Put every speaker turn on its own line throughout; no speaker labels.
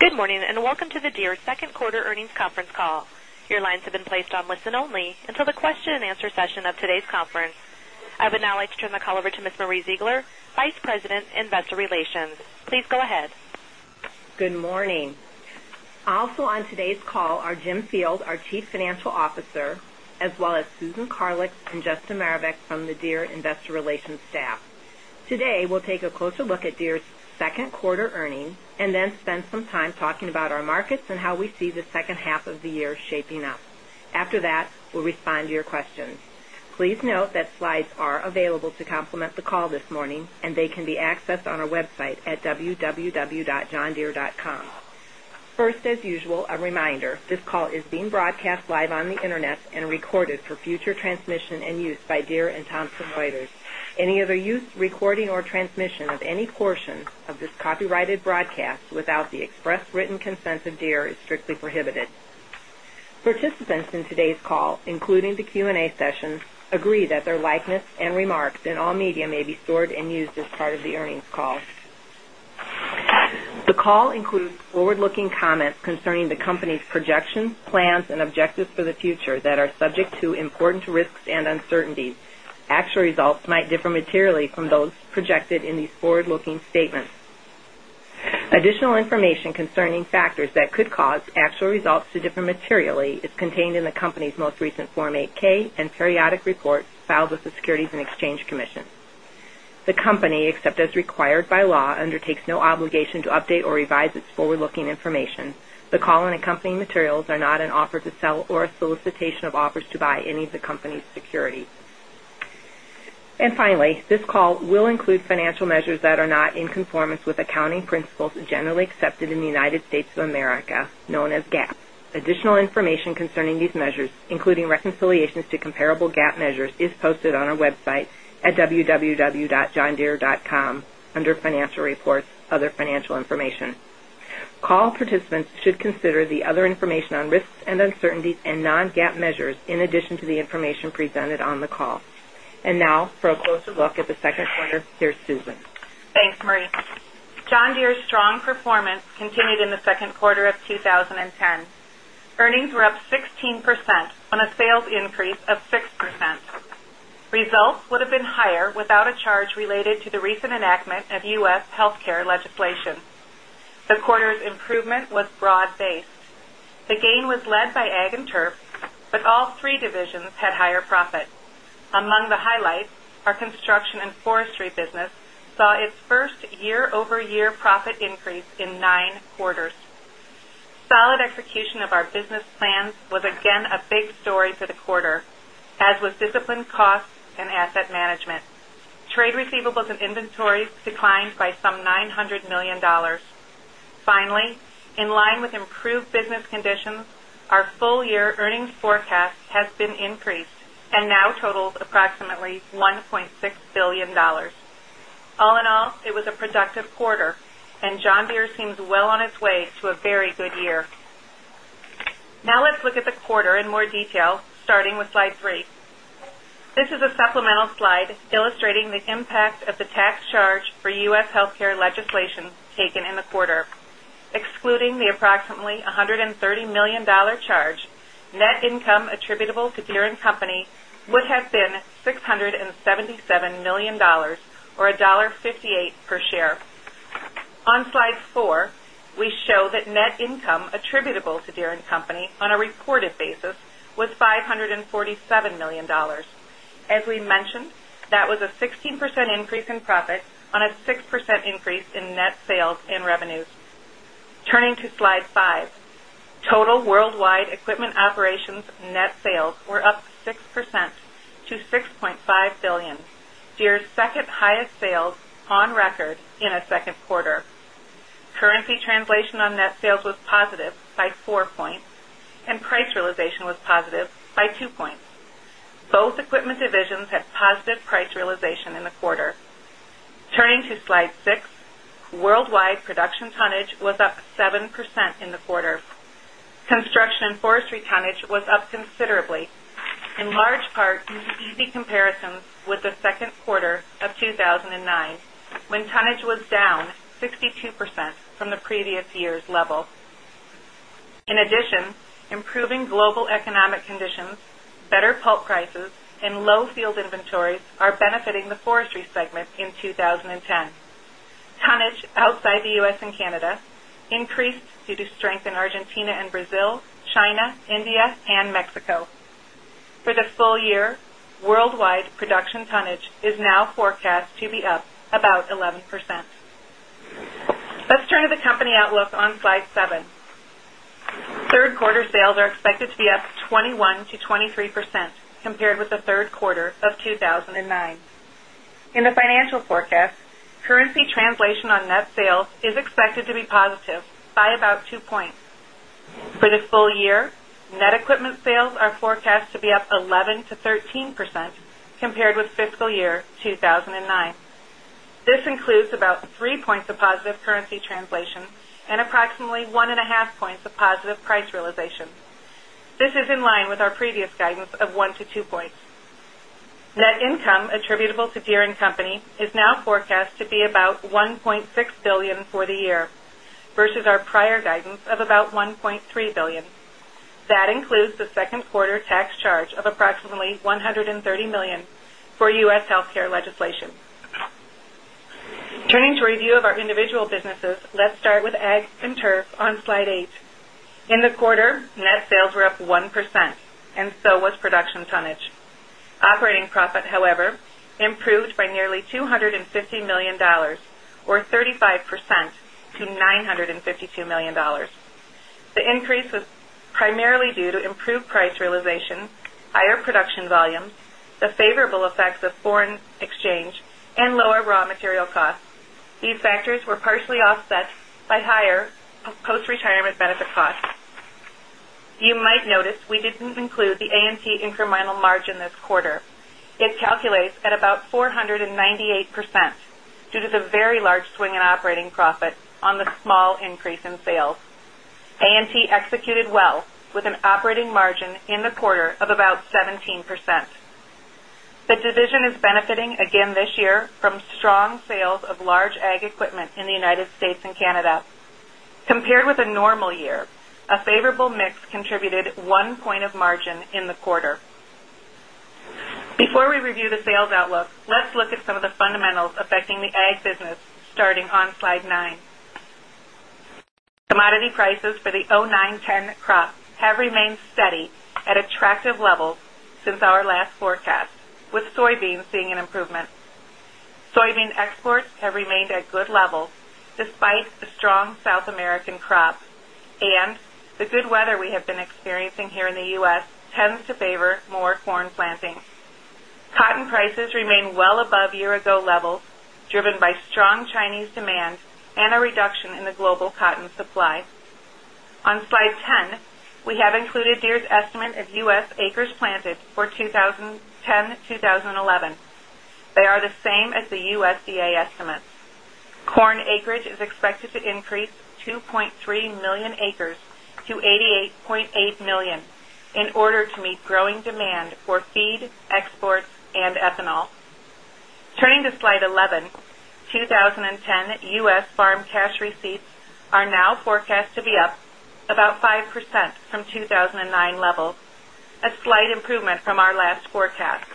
Good morning, and welcome to the Deere Second Quarter Earnings Conference Call. Your lines have been placed on listen only until the question and answer session of today's conference. I would now like to turn the call over to Ms. Marie Ziegler, Vice President, Investor Relations. Please go ahead.
Good morning. Also on today's call are Jim Field, our Chief Financial Officer as well as Susan Carlick and Justin Marabek from the Deere Investor Relations staff. Today, we'll take a closer look at Deere's 2nd quarter earnings and then spend some time talking about our markets and how we see the second half of the year shaping up. After that, we'll respond to your questions. Please note that slides are available to complement the call this morning and they can be accessed on our website at www.johndeere.com. First, as usual, a reminder, this call is being broadcast live on the Internet and recorded for future transmission and use by Deere and Thompson Reuters. Any other use, recording or transmission of any portion of this copyrighted broadcast without the express written consent of Deere is strictly prohibited. Participants in today's call, including the Q and A session, agree that their likeness and remarks in all media may be stored and used as part of the earnings call. The call includes forward looking comments concerning the company's projections, plans and objectives for the future that are subject to important risks and uncertainties. Actual results might differ materially from those projected in these forward looking statements. Additional information concerning factors that could cause actual results to differ materially is contained in the company's most recent Form 8 ks and periodic reports filed with the Securities and Exchange Commission. The company, except as required by law, undertakes no obligation to update or revise its forward looking information. The call and accompanying materials are not an offer to sell or a solicitation of offers to buy any of the company's securities. And finally, this call will include financial measures that are not in conformance with accounting principles generally accepted in the United States of America known as GAAP. Additional information concerning these measures including reconciliations to comparable GAAP measures is posted on our website at www.johndeere.com under Financial Reports, Other Financial Information. Call participants should consider the other information on risks and uncertainties and non GAAP measures in addition to the information presented on the call. And now for a closer look at the Q2, here's Susan.
Thanks, Marie. John Deere's strong performance continued in the Q2 of 2010. Earnings were up 16% on a sales increase of 6%. Results would have been higher without a charge related to the recent enactment of U. S. Healthcare legislation. The quarter's improvement was broad based. The gain was led by ag and turf, but all three divisions had higher profit. Among the highlights, our Construction and Forestry business saw its 1st year over year profit increase in 9 quarters. Solid execution of our business plans was again a big story for the quarter as was disciplined costs and asset management. Trade receivables and inventories declined by some $900,000,000 Finally, in line with improved business conditions, our full year earnings forecast has been increased and now totaled approximately $1,600,000,000 All in all, it was a productive quarter and John Deere seems well on its way to a very good year. Let's look at the quarter in more detail starting with Slide 3. This is a supplemental slide illustrating the impact of the tax charge for U. S. Healthcare legislation taken in the quarter. Excluding the approximately $130,000,000 charge, net income attributable to Beer and Company would have been $677,000,000 or 1.58 dollars per share. On Slide 4, we show that net income attributable to Deere and Company on a reported basis was 5 $47,000,000 As we mentioned, that was a 16% increase in profit on a 6% increase in net sales and revenues. Turning to slide 5, total worldwide equipment operations net sales were up 6% to $6,500,000,000 Deere's 2nd highest sales on record in the 2nd quarter. Currency translation on net sales was positive by 4 points and price realization was positive by 2 points. Both equipment divisions had positive price realization in the quarter. Turning to Slide 6, worldwide production tonnage was up 7% in the quarter. Construction and forestry tonnage was up considerably in large part easy comparison with the Q2 of 2009 when tonnage was down 62% from the previous year's level. In addition, improving global economic conditions, better pulp prices and low field inventories are benefiting the forestry segment in 2010. Tonnage outside the U. S. And Canada increased due to strength in Argentina and Brazil, China, India and Mexico. For the full year, worldwide production tonnage is now forecast to be up about 11%. Let's turn to the company outlook on Slide 7. 3rd quarter sales are expected to be up 21% to 23% compared with the Q3 of 2009. In the financial forecast, currency translation on net sales is expected to be positive by about 2 points. For the full year, net equipment sales are forecast to be up 11% to 13% compared with fiscal year 2,009. This includes about 3 points of positive currency translation and approximately 1.5 points positive price realization. This is in line with our previous guidance of 1 to 2 points. Net income attributable to Geer and Company is now forecast to be about $1,600,000,000 for the year versus our prior guidance of about $1,300,000,000 dollars That includes the 2nd quarter tax charge of approximately $130,000,000 for U. S. Healthcare legislation. Turning to review of our individual businesses, let's start with Ag and Turf on Slide 8. In the quarter, net sales were up 1% and so was production tonnage. Operating profit, however, improved by nearly $250,000,000 or 35 percent to $952,000,000 The increase was primarily due to improved price realization, higher production volumes, the favorable effects of foreign exchange and lower raw material costs. These factors were partially offset by higher post retirement benefit costs. You might notice we didn't include the A and T incremental margin this quarter. It calculates at about 4 98% due to the very large swing in operating profit on the small increase in sales. A and T executed well with an operating margin in the quarter of about 17%. The decision is benefiting again this year from strong sales of large ag equipment in the United States and Canada. Compared with a normal year, a favorable mix contributed 1 point of margin in the quarter. Before we review the sales outlook, let's look at some of the fundamentals affecting the Ag business starting on Slide 9. Commodity prices for the 'nine-ten crop have remained steady at attractive levels since our last forecast with soybean seeing an improvement. Soybean exports have remained at good level despite strong South American crop and the good weather we have been experiencing here in the U. S. Tends to favor more corn planting. Cotton prices remain well above year ago levels driven by strong Chinese demand and a reduction in the global cotton supply. On Slide 10, we have included Deere's estimate of U. S. Acres planted for 20 ten-2011. They are the same as the USDA estimates. Corn acreage is expected to increase 2.3 1,000,000 acres to 88,800,000 in order to meet growing demand for feed, exports and ethanol. Turning to slide 11, 2010 U. S. Farm cash receipts are now forecast to be up about 5% from 2,009 levels, a slight improvement from our last forecast.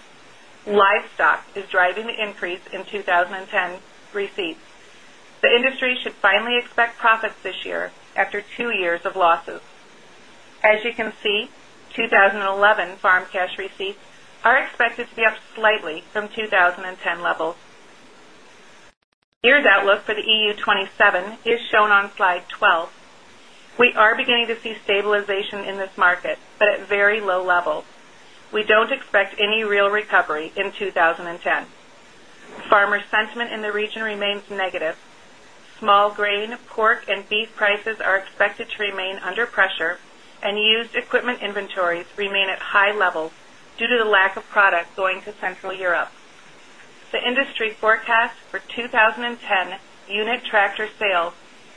Livestock is driving the increase in 20.10 receipts. The industry should finally expect profits this year after 2 years of losses. As you can see, 2011 farm cash receipts are expected to be up slightly from 2010 levels. Here's outlook for the EU27 is shown on Slide 12. We are beginning to see stabilization in this market, but at very low levels. We don't expect any real recovery in 2010. Farmer sentiment in the region remains negative. Small grain, pork and beef prices are expected to remain under pressure and used equipment inventories remain at high levels due to the lack of product going to Central Europe. The industry forecast for 2010 unit tractor sales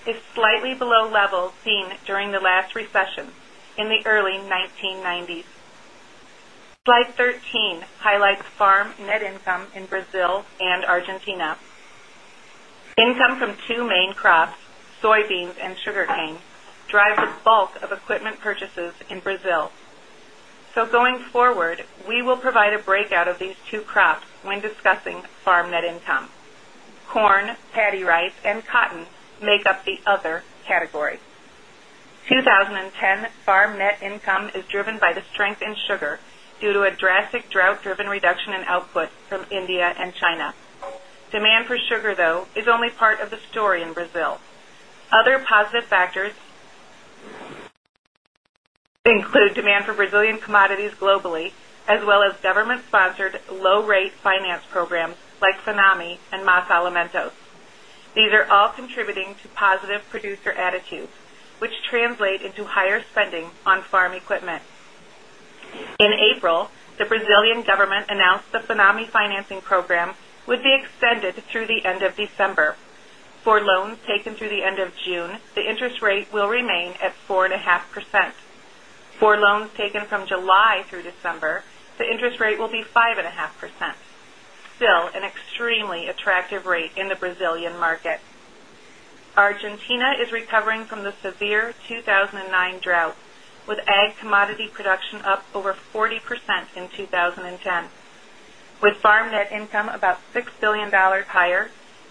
is slightly below level seen during the last recession in the early 1990s. Slide 13 highlights farm net income in Brazil and Argentina. Income from 2 main crops soybeans and sugarcane drive the bulk of equipment purchases in Brazil. So going forward, we will provide a breakout of these 2 crops when discussing farm net income. Corn, paddy rice and cotton make up the other category. 2010 farm net income is driven by the strength in sugar due to a drastic drought driven reduction in output from India and China. Demand for sugar though is only part of the story in Brazil. Other positive factors include demand for Brazilian commodities globally as well as government sponsored low rate finance programs like tsunami and masa Alamitos. These are all contributing to positive producer attitudes, which translate into higher spending on farm equipment. In April, the Brazilian government announced the Fonami financing program would be extended through the end of December. For loans taken through the end of June, the interest rate will remain at 4.5%. For loans taken from July through December, the interest rate will be 5.5%, still an extremely attractive rate in the Brazilian market. Argentina is recovering from the severe 2,009 drought with ag commodity production up over 40% in 2010. With farm net income about $6,000,000,000 higher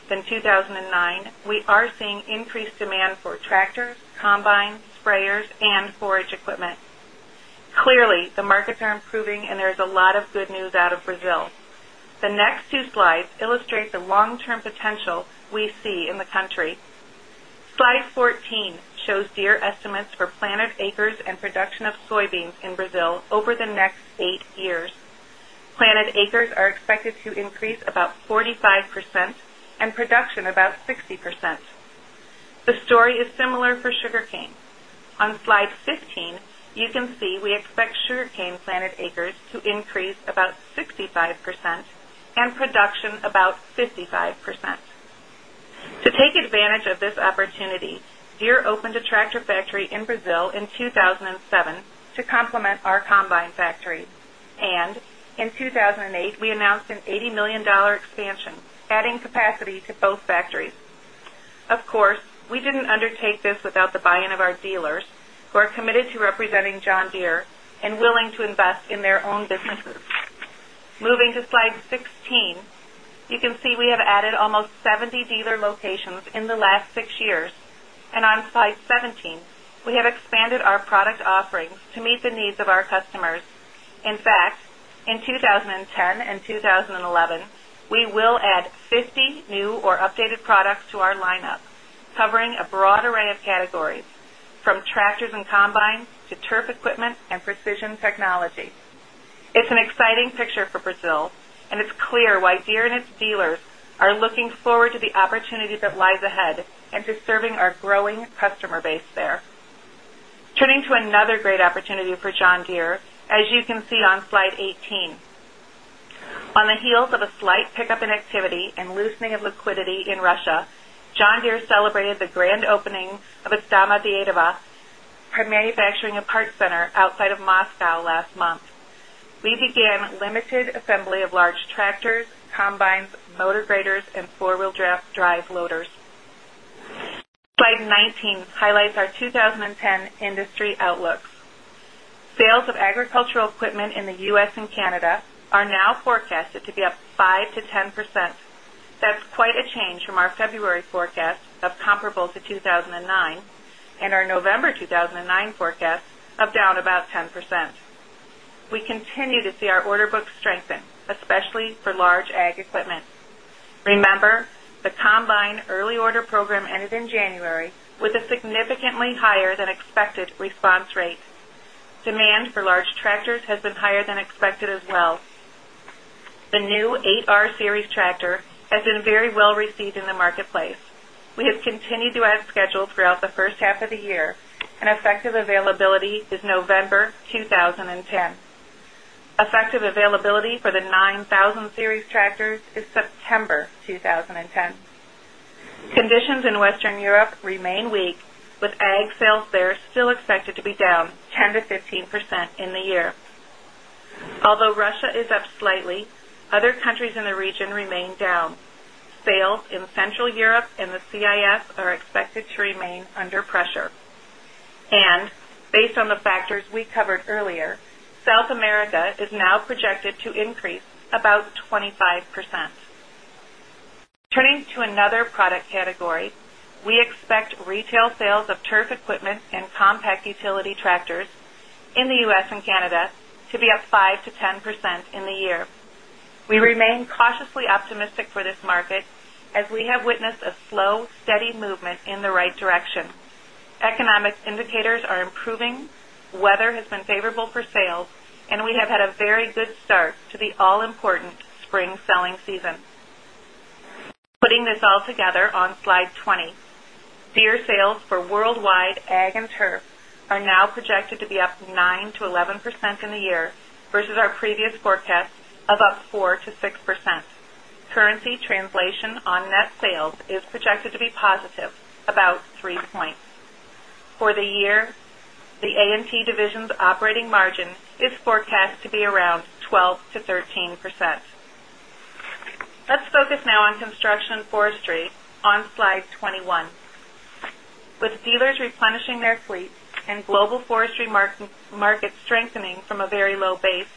than 2,009, we are seeing increased demand for tractors, combines, sprayers and forage equipment. Clearly, the markets are improving and there is a lot of good news out of Brazil. The next two slides illustrate the long term potential we see in the country. Slide 14 shows Deere estimates for planted acres and production of soybeans in Brazil over the next 8 years. Planted acres are expected to increase about 45% and production about 60%. The story is similar for sugarcane. On Slide 15, you can see we expect sugarcane planted acres to increase about 65% and production about 55%. To take advantage of this opportunity, Deere opened a tractor factory in Brazil in 2,007 to complement our combine factory. And in 2,008, we announced an 80 $1,000,000 expansion adding capacity to both factories. Of course, we didn't undertake this without the buy in of our dealers who are committed to representing John Deere and willing to invest in their own businesses. Moving to Slide 16, you can see we have added almost 70 dealer locations in the last 6 years. And on Slide 17, we have expanded our product offerings to meet the needs of our customers. In fact, in 20102011, we will add 50 new or updated products to our lineup covering a broad array of categories from tractors and combines to turf equipment and precision technology. It's an exciting picture for Brazil and it's clear why Deere and its dealers are looking forward to the opportunity that lies ahead and to serving our growing customer base there. Turning to another great opportunity for John Deere, as you can see on Slide 18. On the heels of a slight pickup in activity and loosening of liquidity in Russia, John Deere celebrated the grand opening of Astama Dyadava manufacturing a part center outside of Moscow last month. We began limited assembly of large tractors, combines, motor graders and 4 wheel drive loaders. Slide 19 highlights our 2010 industry outlook. Sales of agricultural equipment in the U. S. And Canada are now forecasted to be up 5% to 10%. That's quite a change from our February forecast of comparable to 2,009 and our November 2,009 forecast of down about 10%. We continue to see our order book strengthen, especially for large ag equipment. Remember, the combine early order program ended in January with a significantly higher than expected response rate. Demand for large tractors has been higher than expected as well. The new 8R series tractor has been very well received in the marketplace. We have continued to add schedule throughout the first half of the year and effective availability is November 2010. Effective availability for the 9,000 tractors is September 2010. Conditions in Western Europe remain weak with ag sales there still expected to be down 10% to 15% in the year. Although Russia is up slightly, other countries in the region remain down. Sales in Central Europe and the CIS are expected to remain under pressure. And based on the factors we covered earlier, South America is now projected to increase about 25%. Turning to another product category, we expect retail sales of turf equipment and compact utility tractors in the U. S. And Canada to be up 5% to 10% in the year. We remain cautiously optimistic for this market as we have witnessed a slow steady movement in the right direction. Economic indicators are improving, weather has been favorable for sales and we have had a very good start to the all important spring selling season. Putting this all together on Slide 20, beer sales for worldwide ag and turf are now projected to be up 9% to 11% in the year versus our previous forecast of up 4% to 6%. Currency translation on
net sales is projected
to be positive about T operating margin is forecast to be around 12% to 13%. Let's focus now on Construction and Forestry on Slide 21. With dealers replenishing their fleet and global forestry market strengthening from a very low base,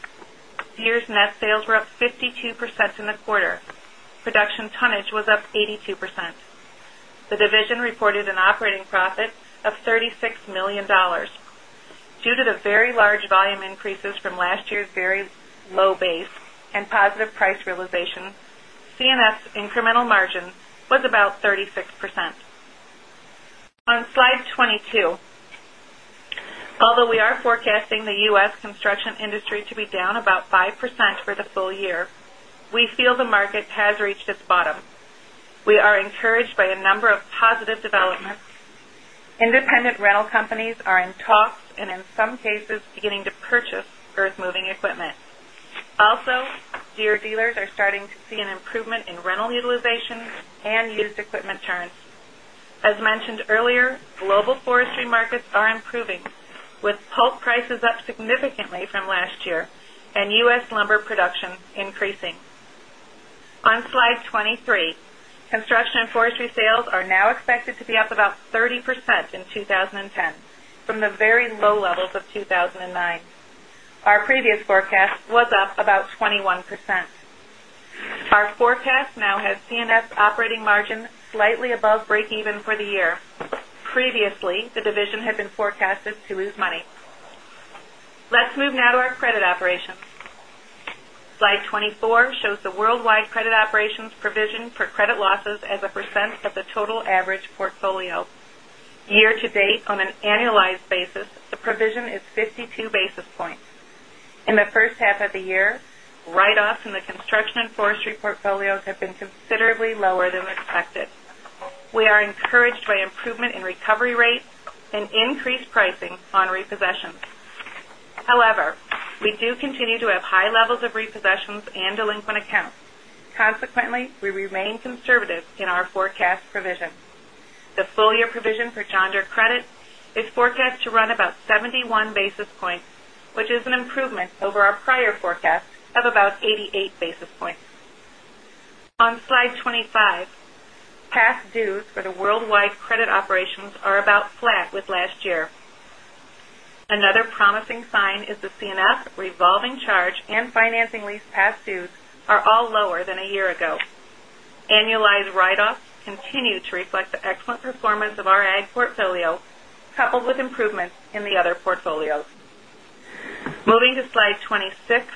Sears net sales were up 52% in the quarter. Production tonnage was up 82%. The division reported an operating profit of $36,000,000 due to the very large volume increases from last year's very low base and positive price realization, C and S incremental margin was about 36%. On Slide 22, although we are forecasting the U. S. Construction industry to be down about 5% for the full year, we feel the market has reached its bottom. We are encouraged by a number of positive developments. Independent rental companies are in talks and in some cases beginning to purchase earthmoving equipment. Also, Deere dealers are starting to see an improvement in rental utilization and used equipment turns. As mentioned earlier, global forestry markets are improving with pulp prices up significantly from last year and U. S. Lumber production increasing. On Slide 23, construction and forestry sales are now expected to be up about 30% in 2010 from the very low levels of 2,009. Our previous forecast was up about 21%. Our forecast now has P and S operating margin slightly above breakeven for the year. Previously, the division had been forecasted to lose money. Let's move now to our credit operations. Slide 24 shows the worldwide credit operations provision for credit losses as a percent of the total average portfolio. Year to date on an annualized basis, the provision is 52 basis points. In the first half of the year, write offs in the construction and forestry portfolios have been considerably lower than expected. We are encouraged by improvement in recovery rates and increased pricing on repossessions. However, we do continue to have high levels of repossessions and delinquent accounts. Consequently, we remain conservative in our forecast provision. The full year provision for John Deere credit is forecast to run about 71 basis points, which is an improvement over our prior forecast of about 88 basis points. On Slide 25, past dues for the worldwide credit operations are about flat with last year. Another promising sign is the C and F revolving charge and financing lease past dues are all lower than a year ago. Annualized write offs continue to reflect the excellent performance of our Ag portfolio coupled with improvements in the other portfolios. Moving to Slide 26,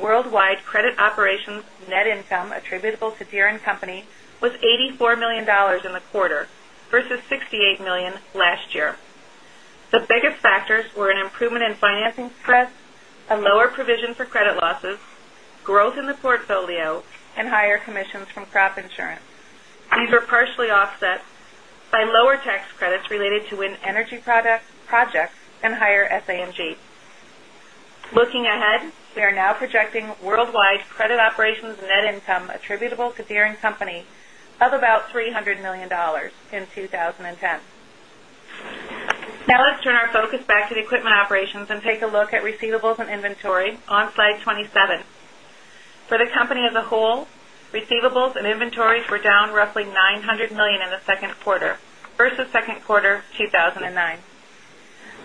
worldwide credit operations net income attributable to Deere and Company was $84,000,000 in the quarter versus $68,000,000 last year. The biggest factors were an improvement in financing spreads, a lower provision for credit losses, growth in the portfolio and higher commissions from crop insurance. These were partially offset by lower tax credits related to wind energy projects and higher SANG. Looking ahead, we are now projecting worldwide credit operations net income attributable to Deere and Company of about $300,000,000 in 2010. Now let's turn our focus back to the equipment operations and take a look at receivables and inventory on Slide 27. For the company as a whole, receivables and inventories were down roughly $900,000,000 in the second quarter versus Q2 of 2009.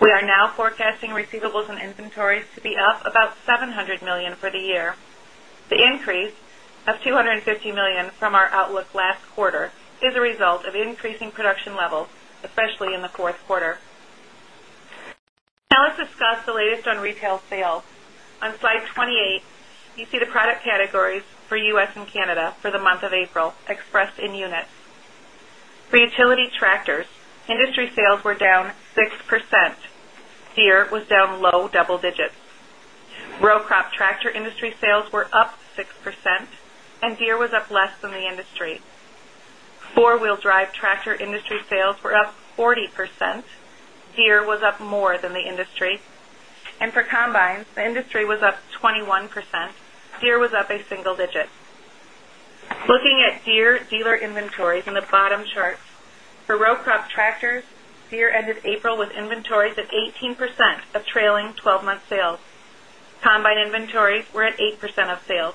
We are now forecasting receivables and inventories to be up about $700,000,000 for the year. The increase of $250,000,000 from our outlook last quarter is a result of increasing production levels especially in the 4th quarter. Now let's discuss the latest on retail sales. On Slide 28, you see the product categories for U. S. And Canada for the month of April expressed in units. For utility tractors, industry sales were down 6%, beer was down low double digits. Row crop tractor industry sales were up 6% and beer was up less than the industry. 4 wheel drive tractor industry sales were up 40%, Deere was up more than the industry. And for combines, industry was up 21%, Deer was up a single digit. Looking at Deer dealer inventories in the bottom chart, Rowcrop Tractors, Deere ended April with inventories of 18% of trailing 12 month sales. Combine inventories were at 8% of sales.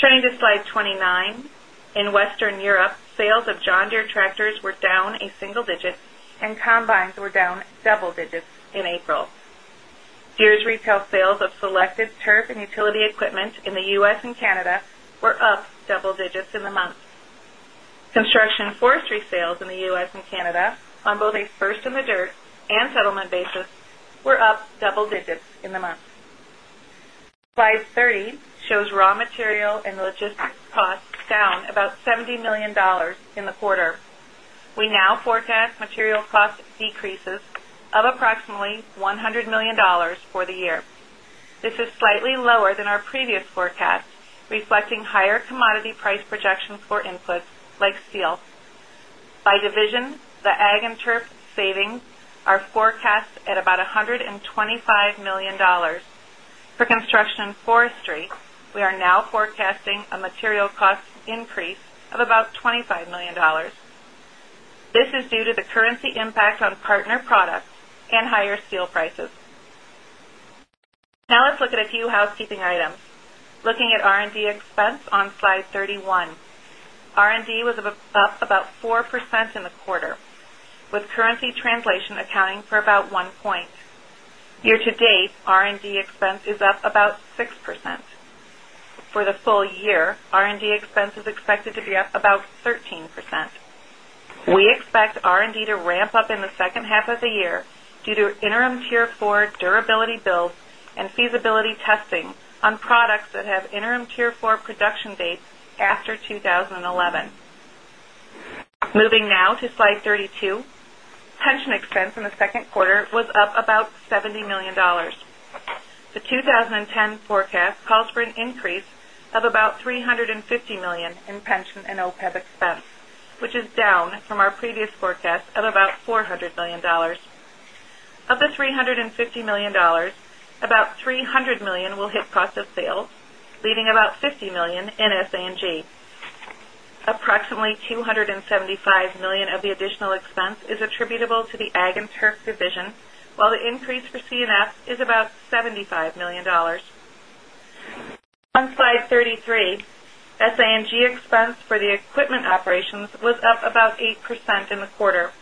Turning to Slide 29, in Western Europe sales of John Deere tractors were down a single digit and combines were down double digits in April. Deere's retail sales of selected turf and utility equipment in the U. S. And Canada were up double digits in the month. Construction forestry sales in the U. S. And Canada on both a first in the dirt and settlement basis were up double digits in the month. Slide 30 shows raw material and logistics costs down about $70,000,000 in the quarter. We now forecast material cost decreases of approximately $100,000,000 for the year. This is slightly lower than our previous forecast reflecting higher commodity price projections for inputs like steel. By division, the ag and turf savings are forecast at about $125,000,000 For Construction Forestry, we are now forecasting a material cost increase of about $25,000,000 This is due to the currency impact on partner products and higher steel prices. Now let's look at a few housekeeping items. Looking at R and D expense on Slide 31, R and D was up about 4% in the quarter with currency translation accounting for about 1 point. Year to date R and D expense is up about 6%. For the full year, R and D expense is expected to be up about 13%. We expect R and D to ramp up in the second half of the year due to interim Tier 4 durability build and feasibility testing on products that have interim Tier 4 production dates after 2011. Moving now to Slide 32, pension expense in the 2nd quarter was up about $70,000,000 The 2010 forecast calls for an increase of about $350,000,000 in pension and OPEB expense, which is down from our previous forecast of about $400,000,000 Of the $350,000,000 about $300,000,000 will hit cost of sales leading about $50,000,000 in S and G. Approximately million of the additional expense is attributable to the Ag and Turf division, while the increase for C and F is about CAD75 1,000,000 On Slide 33, SA and G expense for the equipment operations was up about 8% in the quarter.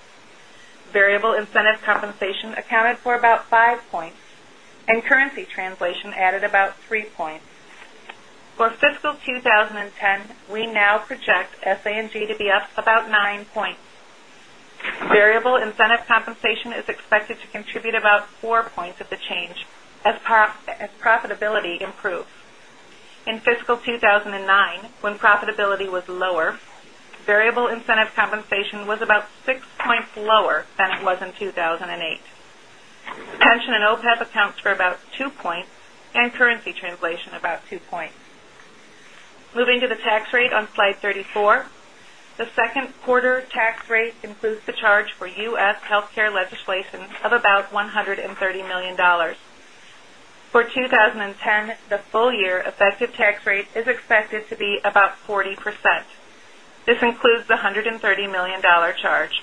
Variable incentive compensation accounted for about 5 points and currency translation added about 3 points. For fiscal 2010, we now project SANG to be up about 9 points. Variable incentive compensation is expected to contribute about 4 points of the change as profitability improves. In fiscal 2009, when profitability was lower, variable incentive compensation was about 6 points lower than it was in 2,008. Pension in OPEB accounts for about 2 points and currency translation about 2 points. Moving to the tax rate on Slide 34, the 2nd quarter tax rate includes the charge for U. S. Healthcare legislation of about $130,000,000 For 20.10, the full year effective tax rate is expected to be about 40%. This includes the $130,000,000 charge.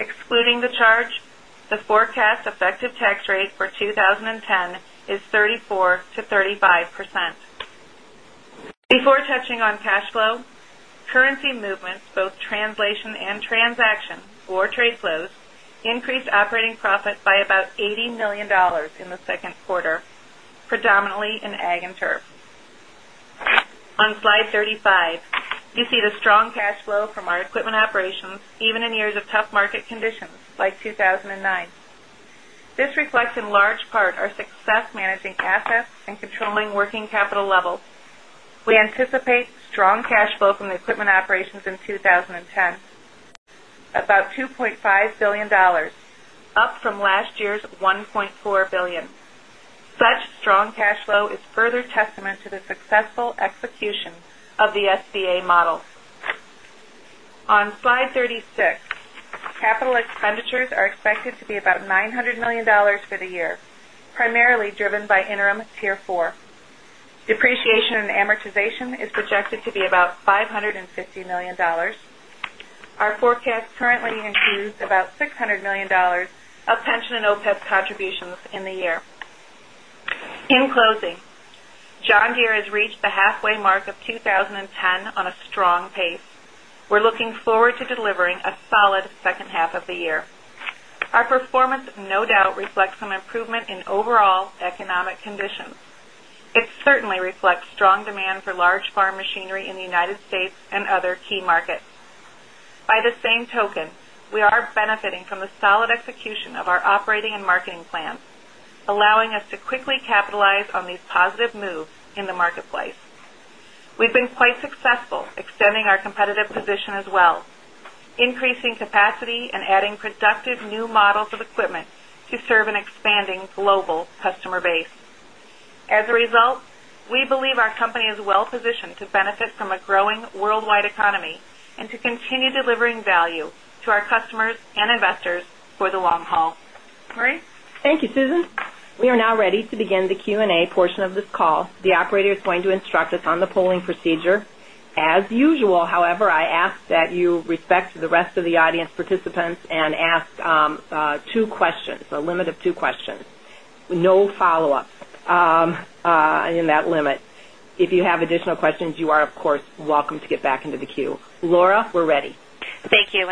Excluding the charge, the forecast effective tax rate for 20.10 is 34% to 35%. Before touching on cash flow, currency movements both translation and transaction or trade flows increased operating profit by about $80,000,000 in the 2nd quarter predominantly in Ag and Turf. On Slide 35, you see the strong cash flow from our equipment operations even in years of tough market conditions like 2,009. This reflects in large part our success managing assets and controlling working capital level. We anticipate strong cash flow from the equipment operations in 2010, about $2,500,000,000 up from last year's $1,400,000,000 Such strong cash flow is further testament to the successful execution of the SBA model. On slide 36, capital expenditures are expected to be about $900,000,000 for the year, primarily driven by interim Tier 4. Depreciation and amortization is projected to be about $550,000,000 Our forecast currently includes about $600,000,000 of pension and OPEB contributions in the year. In closing, John Deere has reached the halfway mark of 2010 on a strong pace. We're looking forward to delivering a solid second half of the year. Our performance no doubt reflects some improvement in overall economic conditions. It certainly reflects strong demand for large farm machinery in United States and other key markets. By the same token, we are benefiting from the solid execution of our operating and marketing plans, allowing us to quickly capitalize on these positive moves in the marketplace. We've been quite successful extending our competitive position as well, increasing capacity and adding productive new models of equipment to serve an expanding global customer base. As a result, we believe our company is well positioned to benefit from a growing worldwide economy and to continue delivering value to our customers and investors for the long haul. Marie?
Thank you, Susan. We are now ready to begin the Q and A portion of this call. The operator is going to instruct us on the polling procedure. As usual, however, I ask that you respect the rest of the audience participants and ask 2 questions, a limit of 2 questions, No follow-up in that limit. If you have additional questions, you are of course welcome to get back into the queue. Laura, we're ready. Thank you.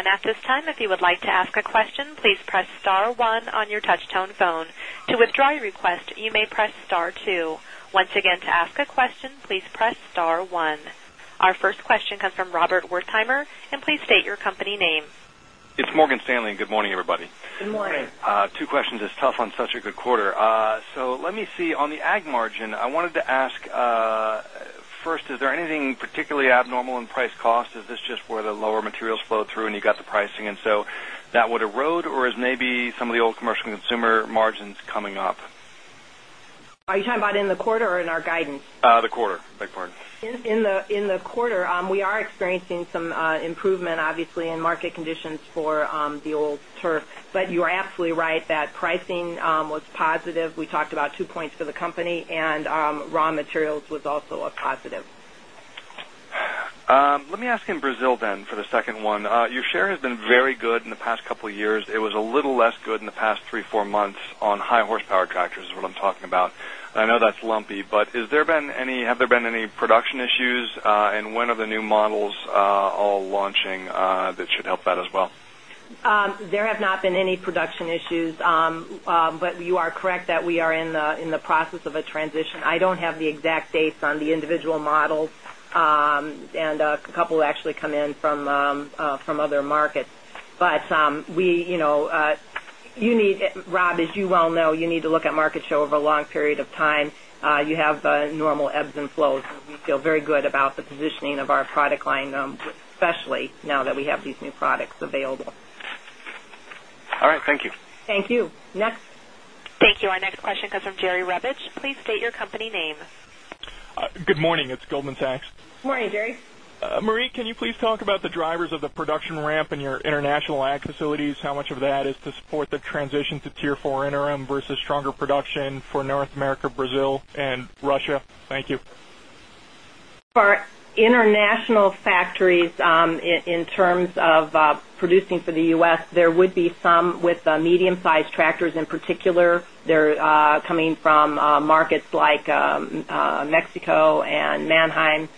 Our first question comes from Robert Wertheimer. Please state your company name.
It's Morgan Stanley. Good morning, everybody.
Good morning.
Two questions. It's tough on such a good quarter. So let me see on the ag margin, I wanted to ask first, is there anything particularly abnormal in price cost? Is this just where the lower materials flow through and you got the pricing and so that would erode or is maybe some of the old commercial consumer margins coming up?
Are you talking about in the quarter or in our guidance?
The quarter. Beg your pardon.
In the quarter, we are experiencing some improvement obviously in market conditions for the old turf. But you're absolutely right that pricing was positive. We talked about 2 points for the company and raw materials was also a positive.
Let me ask in Brazil then for the second one. Your share has been very good in the past couple of years. It was a little less good in the past 3, 4 months on high horsepower tractors is what I'm talking about. I know that's lumpy, but is there been any have there been any production issues and when are the new models all launching that should help that as well?
There have not been any production issues, but you are correct that we are in the process of a transition. I don't have the exact dates on the individual models and a couple actually come in from other markets. But we you need Rob, as you well know, you need to look at market share over a long period of time. You have normal ebbs and flows. We feel very good about the positioning of our product line, especially now that we have these new products available.
All right. Thank you.
Thank you.
Next. Thank you. Our next question comes from Jerry Rebich. Please state your company name.
Good morning. It's Goldman Sachs.
Good morning, Jerry.
Marie, can you please talk about the drivers of the production ramp in your international ag facilities? How much of that is to support the transition to Tier 4 interim versus stronger production for North America, Brazil and Russia? Thank
you. For international factories, in terms of producing for the U. S, there would be some with medium sized tractors in particular. They're coming from markets like Mexico and Manheim.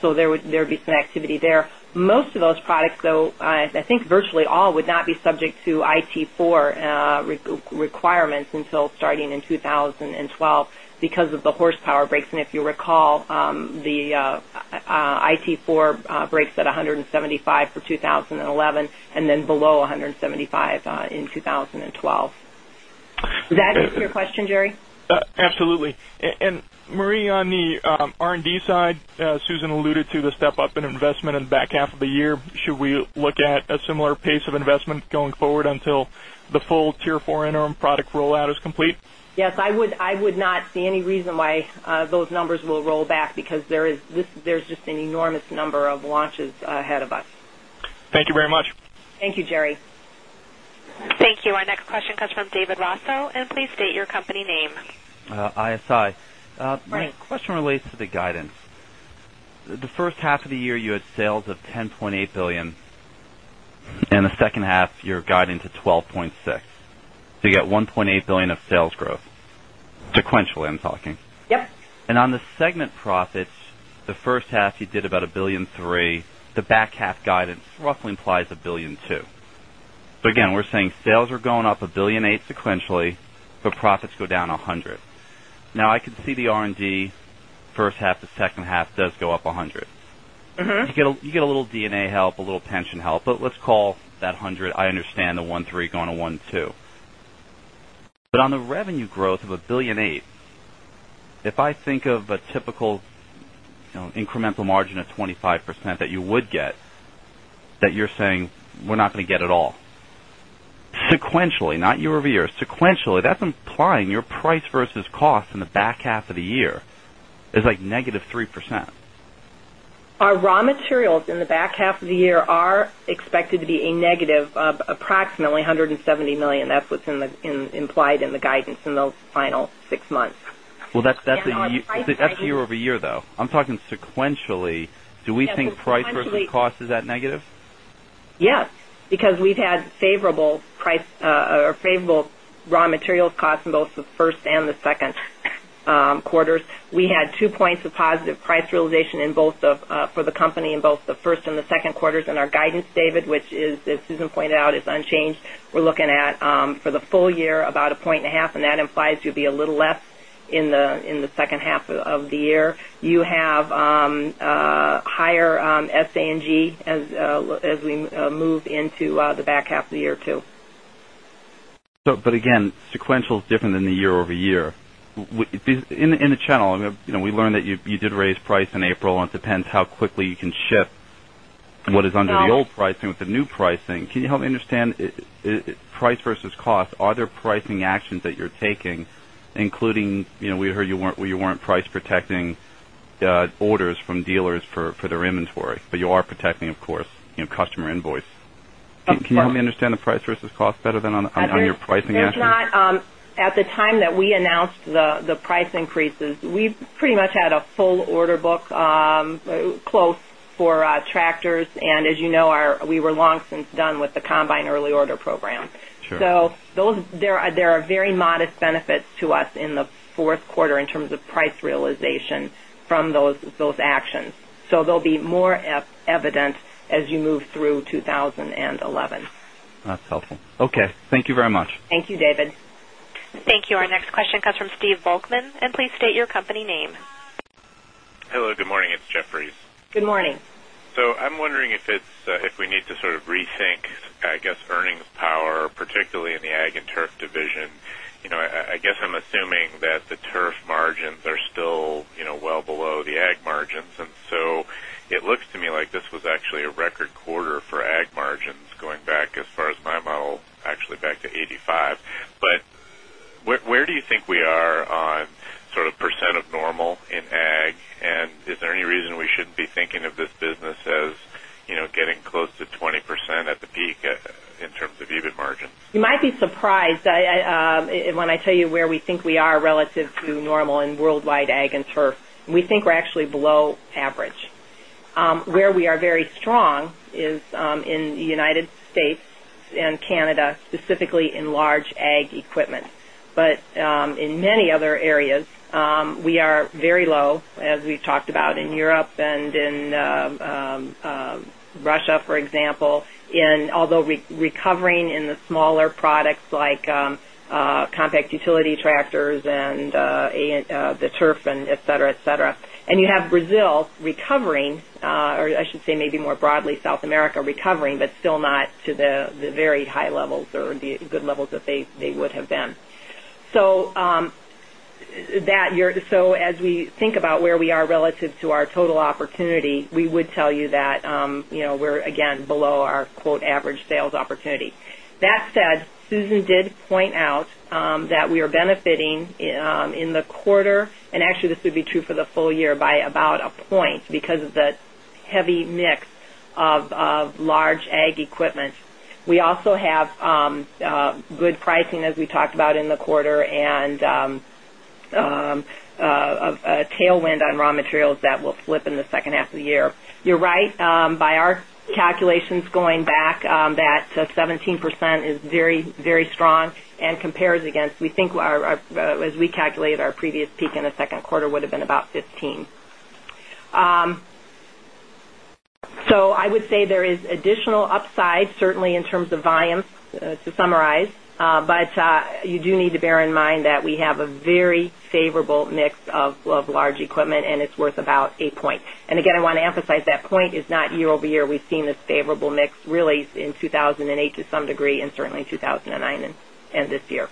So there would be some activity there. Most of those products though, I think virtually all would not be subject to IT IV requirements until starting in 2012 because of the horsepower breaks. And if you recall, the IT IV breaks at 175 for 2011 and then below 175 in 2012. Does that answer your question, Jerry?
Absolutely. And Marie, on the R and D side, Susan alluded to the step up in investment in the back half of the year. Should we look at a similar pace of investment
going forward until the full Tier 4 interim
product rollout is
back because there is just an enormous number of launches ahead of us.
Thank you very much.
Thank you, Jerry. You. Our next question comes from David Raso. And please state your company name.
ISI. My question relates to the guidance. The first half of the year you had sales of $10,800,000,000 and the second half you're guiding to 12.6 $1,800,000,000 of sales growth sequentially I'm talking.
Yes.
And on the segment profits, the first half you did about 1,300,000,000 dollars the back half guidance roughly implies $1,200,000,000 So again, we're saying sales are going up $1,800,000 sequentially, but profits go down $100,000,000 Now I could see the R and D first half to second half does go up $100,000,000 You get a little D and A help, a little pension help, but let's call that 100, I understand the 1.3 going to 1.2. But on the revenue growth of 1.8 dollars if I think of a typical incremental margin of 25% that you would get that you're saying we're not going to get at all. Sequentially, not year over year, sequentially that's implying your price versus cost in the back half of the year is like negative 3%.
Our raw materials in the back half of the year are expected to be a negative of approximately $170,000,000 that's what's implied in the guidance in those final 6 months.
Well, that's year over year though. I'm talking sequentially. Do we think price versus cost is that negative?
Yes, because we've had favorable price or favorable raw material costs in both the 1st and the second quarters. We had two points of positive price realization in both of for the company in both the first and the second quarters in our guidance David, which is as Susan pointed out is unchanged. We're looking at for the full year about 1.5 and that implies to be a little less in the second half of the year. You have higher S and G as we move into the back half of the year
too. But again, sequential is different than the year over year. In the channel, we learned that you did raise price in April and it depends how quickly you can ship what is under the old pricing with the new pricing. Can you help me understand price versus cost, are there pricing actions that you're taking, including we heard you weren't price protecting orders from dealers for their inventory, but you are protecting of course customer invoice.
Can you
help me understand the price versus cost better than on your pricing actions? I
did not. At the time that we announced the price increases, we pretty much had a full order book close for tractors. And as you know, we were long since done with the combine early order program. So those there are very modest benefits to us in the Q4 in terms of price realization from those actions. So there'll be more evident as you move through 2011.
That's helpful. Okay. Thank you very much.
Thank you, David.
Thank you. Our next
I guess, earnings power, particularly in the Ag and Turf division. I guess I'm assuming that the turf margins are still well below the ag margins. And so it looks to me like this was actually a record quarter for ag margins going back as far as my model actually back to 85. But where do you think we are on sort of percent of normal in ag? And is there any reason we shouldn't be thinking of this business as getting close to 20% at the peak in terms of EBIT margin?
You might be surprised when I tell you where we think we are relative to normal in worldwide ag and turf. And we think we're actually below average. Where we are very strong is in the United States and Canada, specifically in large ag equipment. But in many other areas, we are very low, as we've talked about in Europe and in Russia, for example, and although recovering in the smaller products like compact utility tractors and the turf and etcetera, etcetera. And you have Brazil recovering or I should say maybe more broadly South America recovering, but still not to the very high levels or the good levels that they would have been. So that so as we think about where we are relative to our total opportunity, we would tell you that we're again below our average sales opportunity. That said, Susan did point out that we are benefiting in the quarter and actually this would be true for the full year by about a point because of the heavy mix of large ag equipment. We also have good pricing as we talked about in the quarter and a tailwind on raw materials that will slip the second half of the year. You're right, by our calculations going back that 17% is very, very strong and compares against we as we calculate our previous peak in the second quarter would have been about 15%. So I would say there is additional upside certainly in terms of volumes to summarize, but you do need to bear in mind that we have a very favorable mix of large equipment and it's worth about 8 points. And again, I want to emphasize that point is not year over year we've seen this favorable mix really in 2,008 to some degree and certainly 2,009 and this year.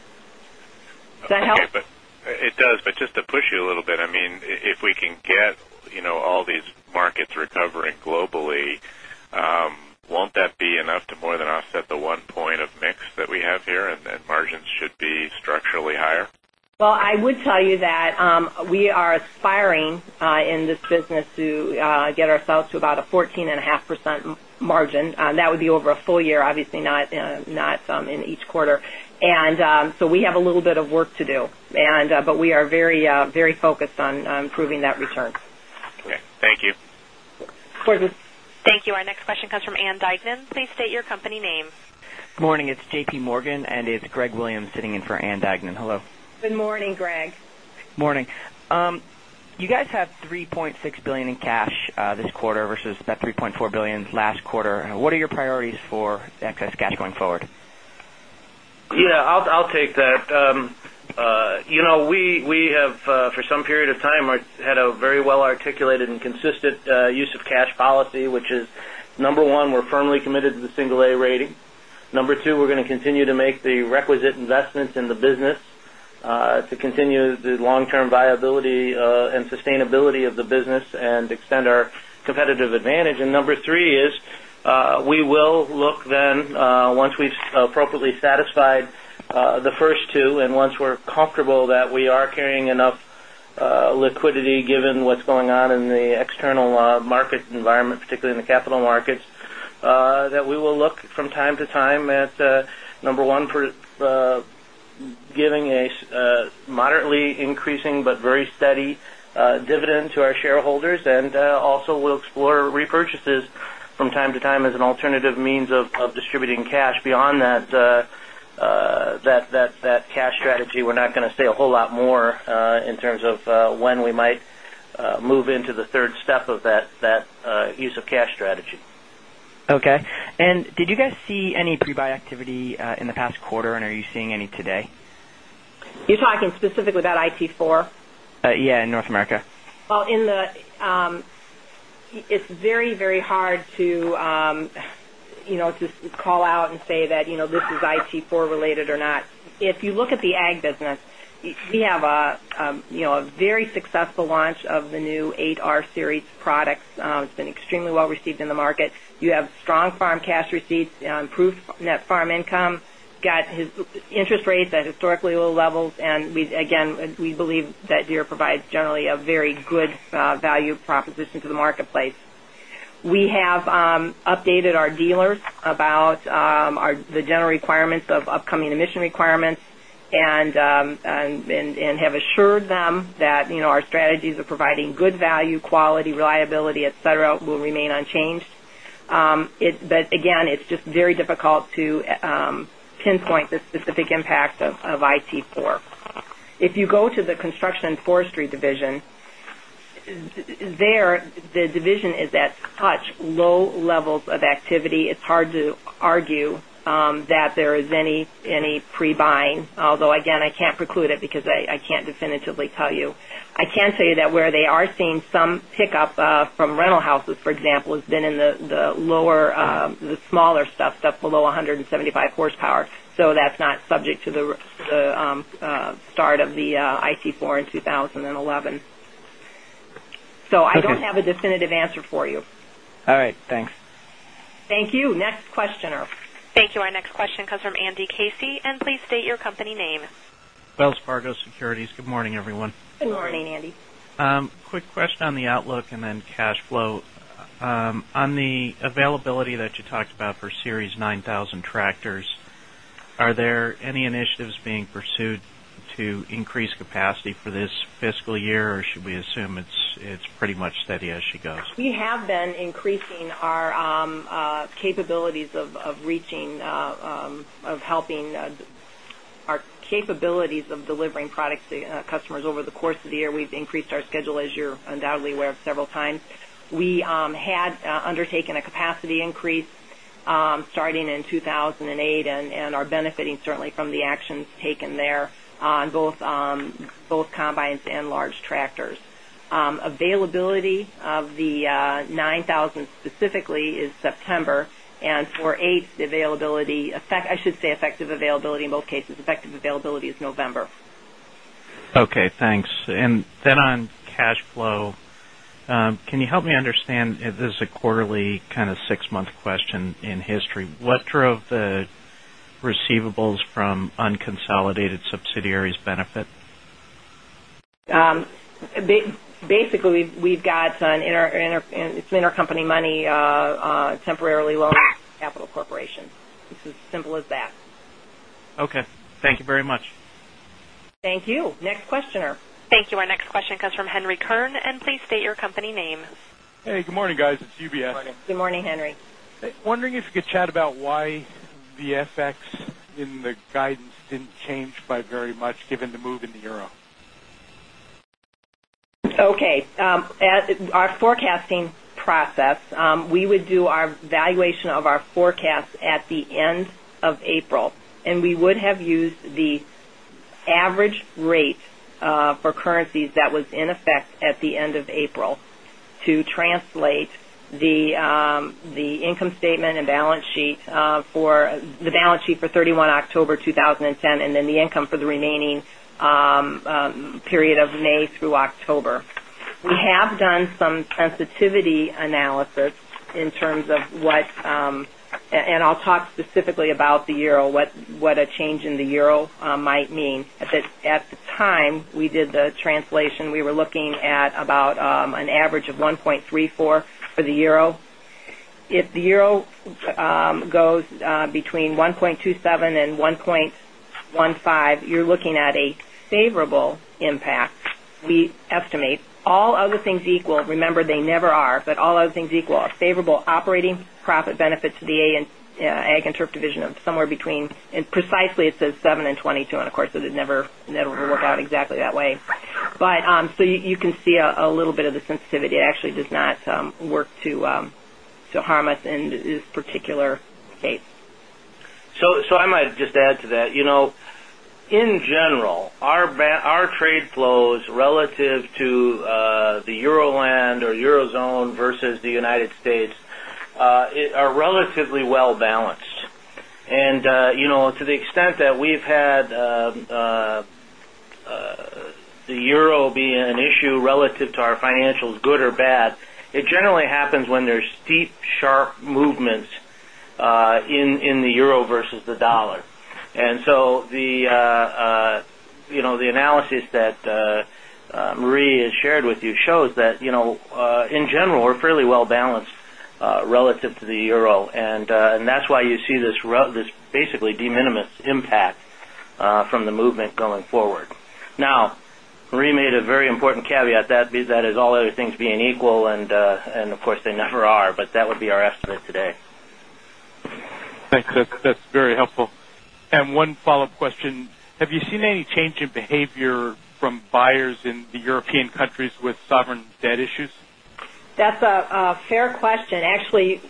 Does that help?
Okay. It does. But just to push you a
little bit, I mean, if we can get all these markets recovering globally, won't that be enough to more than offset the one point of mix that we have here and margins should be structurally higher?
Well, I would tell you that we are aspiring in this business to get ourselves to about a 14.5% margin. That would be over a full year, obviously, not in each quarter. And so we have a little bit of work to do. And but we are very focused on improving that return.
Okay.
Thank you.
Thank you. Our next question comes from Ann Duignan. Please state your company name.
Good morning. It's JPMorgan and it's Greg Williams sitting in for Ann Duignan. Hello.
You guys have $3,600,000,000 in
cash this quarter versus about $3,400,000,000 last quarter. What are your priorities for excess cash going forward? Yes, I'll take that. We have for some period of time had a very well articulated and consistent use of cash policy, which is number 1, we're firmly committed to the A rating. Number 2, we're going to continue to make the requisite investments in the business to continue the long term viability and sustainability of the business and extend our competitive advantage. And number 3 is, we will look then once we've appropriately satisfied the first two and once we're comfortable that we are carrying enough liquidity given what's going on in the external market environment, particularly the capital markets that we will look from time to time at number 1 for giving a moderately increasing, but very steady dividend to our shareholders and also we'll explore repurchases from time to time as an alternative means of distributing cash beyond that cash strategy. We're not going to say a whole lot more in terms of when we might move into the 3rd step of that use of cash strategy.
Okay. And did you guys see any pre buy activity in
the past quarter and are you seeing any today?
You're talking specifically about IT4?
Yes, in North America.
Well, in the it's very, very hard to call out and say that this is IT4 related or not. If you look at the Ag business, we have a very successful launch of the new 8R series products. It's been extremely well received in the market. You have strong farm cash receipts, improved net farm income, got interest rates at historically low levels. And we again, we believe that year provides generally a very good value proposition to the marketplace. We have updated our dealers about the general requirements of upcoming emission requirements and have assured them that our strategies are providing good value, quality, reliability, etcetera, will remain unchanged. But again, it's just very difficult to pinpoint the specific impact of IT4. If you go to the Construction and Forestry division, there the division is at such low levels of activity. It's hard to argue that there is any pre buying, although again I can't preclude it because I can't definitively tell you. I can tell you that where they are seeing some pickup from rental houses for example has been in the lower the smaller stuff, stuff below 175 horsepower. So that's not subject to the start of the IC4 in 2011. So I don't have a definitive answer for you. All right. Thanks. Thank you. Next questioner.
Thank you. Our next question comes from Andy Casey. And please state your company name.
Wells Fargo Securities. Good morning, everyone.
Good morning, Andy.
Quick question on the outlook and then cash flow. On the availability that you talked about for Series 9,000 tractors, are there any initiatives being pursued to increase capacity for this fiscal year or should we assume it's pretty much steady as she goes?
We have been increasing our capabilities of reaching of helping our capabilities of delivering products to customers over the course of the year. We've increased our schedule as you're undoubtedly aware of several times. We had undertaken a capacity increase starting in 2,008 and are benefiting certainly from the actions taken there on both combines and large tractors. Availability of the 9,000 specifically is September and for 8, the availability effect I should say effective availability in both cases effective availability is November.
Okay. Thanks. And then on cash flow, can you help me understand, this is a quarterly kind of 6 month question in history. What drove the receivables from unconsolidated subsidiaries benefit?
Basically, we've got an inter company money temporarily low Capital Corporation. It's as simple as that.
Okay. Thank you very much.
Thank you. Next questioner.
Thank you. Our next question comes from Henry Kern. And please state your company name.
Hey, good morning, guys. It's UBS.
Good morning, Henry.
Wondering if you could chat about why the FX in the guidance didn't change by very much given the move in the euro?
Okay. Our forecasting process, we would do our valuation of our forecast at the end of April and we would have used the average rate for currencies that was in effect at the end of April to translate the income statement and balance sheet for the balance sheet for 31 October 2010 and then the income for the remaining period of May through October. We have done some sensitivity analysis in terms of what and I'll talk specifically about the euro, what a change in the euro might mean. At euro might mean. At the time, we did the translation, we were looking at about an average of 1.34 for the euro. If the euro goes between 1.27 and 1 point 15, you're looking at a favorable impact. We estimate all other things equal, remember they never are, but all other things equal, favorable operating profit benefit to the Ag and Turf division of somewhere between and precisely it says 7% and 22%. And of course, it never will work out exactly that way. But so you can see a little bit of the sensitivity actually does not work to harm
us in this particular case. So I might just add to that. In general, our trade flows relative to the Euroland or Eurozone versus the United States are relatively well balanced. And to the extent that we've had the euro being an issue relative to our financials good or bad, it generally happens when there's steep sharp movements in the euro versus the dollar. And so the analysis that Marie has shared with you shows that in general, we're fairly well balanced relative to the euro. And that's why you see this basically de minimis impact from the movement going forward. Now, Marie made a very important caveat that is that is all other things being equal and of course they never are, but that would be our estimate today.
Thanks. That's very helpful. And one follow-up question, Have you seen any change in behavior from buyers in the European countries with sovereign debt issues?
That's a fair question. Actually,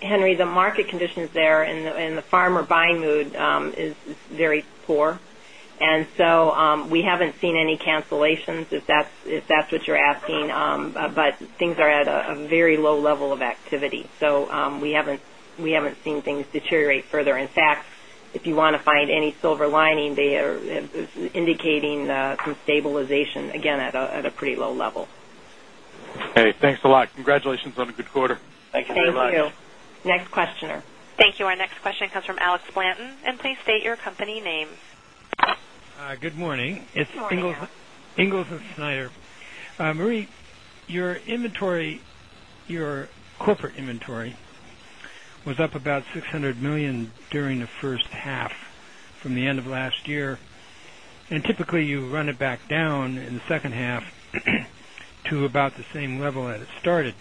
Henry, the market conditions there and the farmer buying mood is very poor. And so we haven't seen any cancellations if that's what you're asking, but things are at a very low level of activity. So we haven't seen things deteriorate further. In fact, if you want to find any silver lining, they are indicating some stabilization again at a pretty low level.
Hey, thanks a lot. Congratulations on a good quarter.
Thank you very much.
Thank you.
Next questioner. Thank you. Our next question comes from Alex Blanton. And please state your company name.
Good morning. It's Ingalls
and Snyder.
Marie, your inventory your corporate inventory was up about $600,000,000 during the first half from the end of last year. And typically, you run it back down in the second half to about the same level as it started.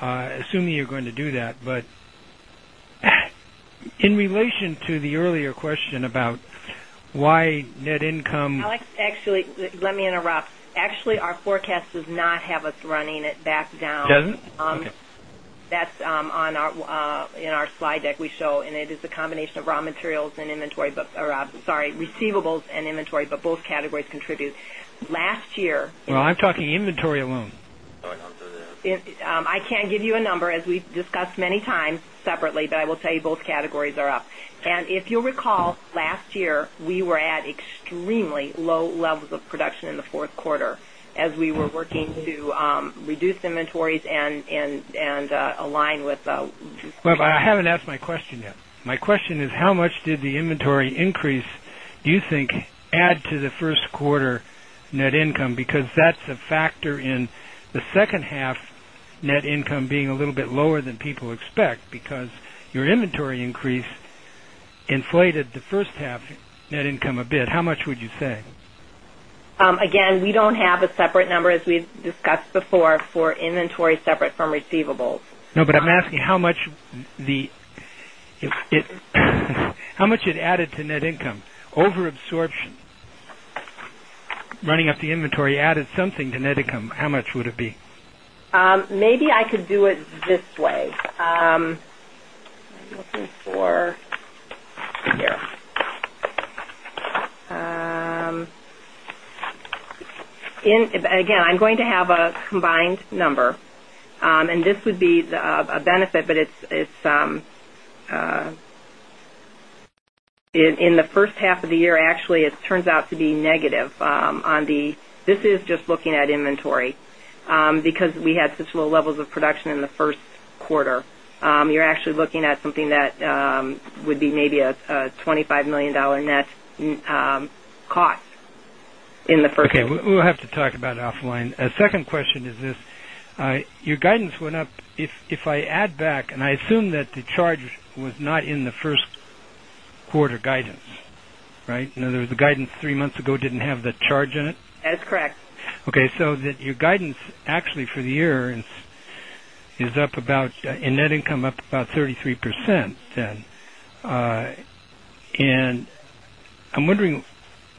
Assuming you're going to do that, but in relation to the earlier question about why net income
Alex, actually let me interrupt. Actually, our forecast does not have us running it back down.
It doesn't?
Okay. That's on our in our slide deck we show and it is a combination of raw materials and inventory sorry receivables and inventory, but both categories contribute. Last year
Well, I'm talking inventory alone.
Sorry, I'll do that.
I can't give you a number as we've discussed many times separately, but I will tell you both categories are up. And if you'll recall, last year, we were at extremely low levels of production in the 4th quarter as we were working to reduce inventories and align with
Well, I haven't asked my question yet. My question is how much did the inventory increase do you think add to the Q1 net income because that's a factor in the second half net income being a little bit lower than people expect because your inventory increase inflated the first half net income a bit. How much would you say?
Again, we don't have a separate number as we've discussed before for inventory separate from receivables.
No, but I'm asking how much the how much it added to net income, over absorption running up the inventory added something to Neticum, how much would it be?
Maybe I could do it this way.
Looking for here.
Again, I'm going to have a combined number. And this would be a benefit, but it's in the first half of the year actually it turns out to be negative on the this is just looking at inventory because we had such low levels of production in the Q1. You're actually looking at something that would be maybe a $25,000,000 net cost in the first quarter. Okay.
Quarter. We'll have to talk about it offline. A second question is this, your guidance went up. If I add back and I assume that the charge was not in the first quarter guidance, right? In other words, the guidance 3 months ago didn't have the charge in it?
That's correct.
Okay. So that your guidance actually for the year is up about and net income up about 33% then. And I'm wondering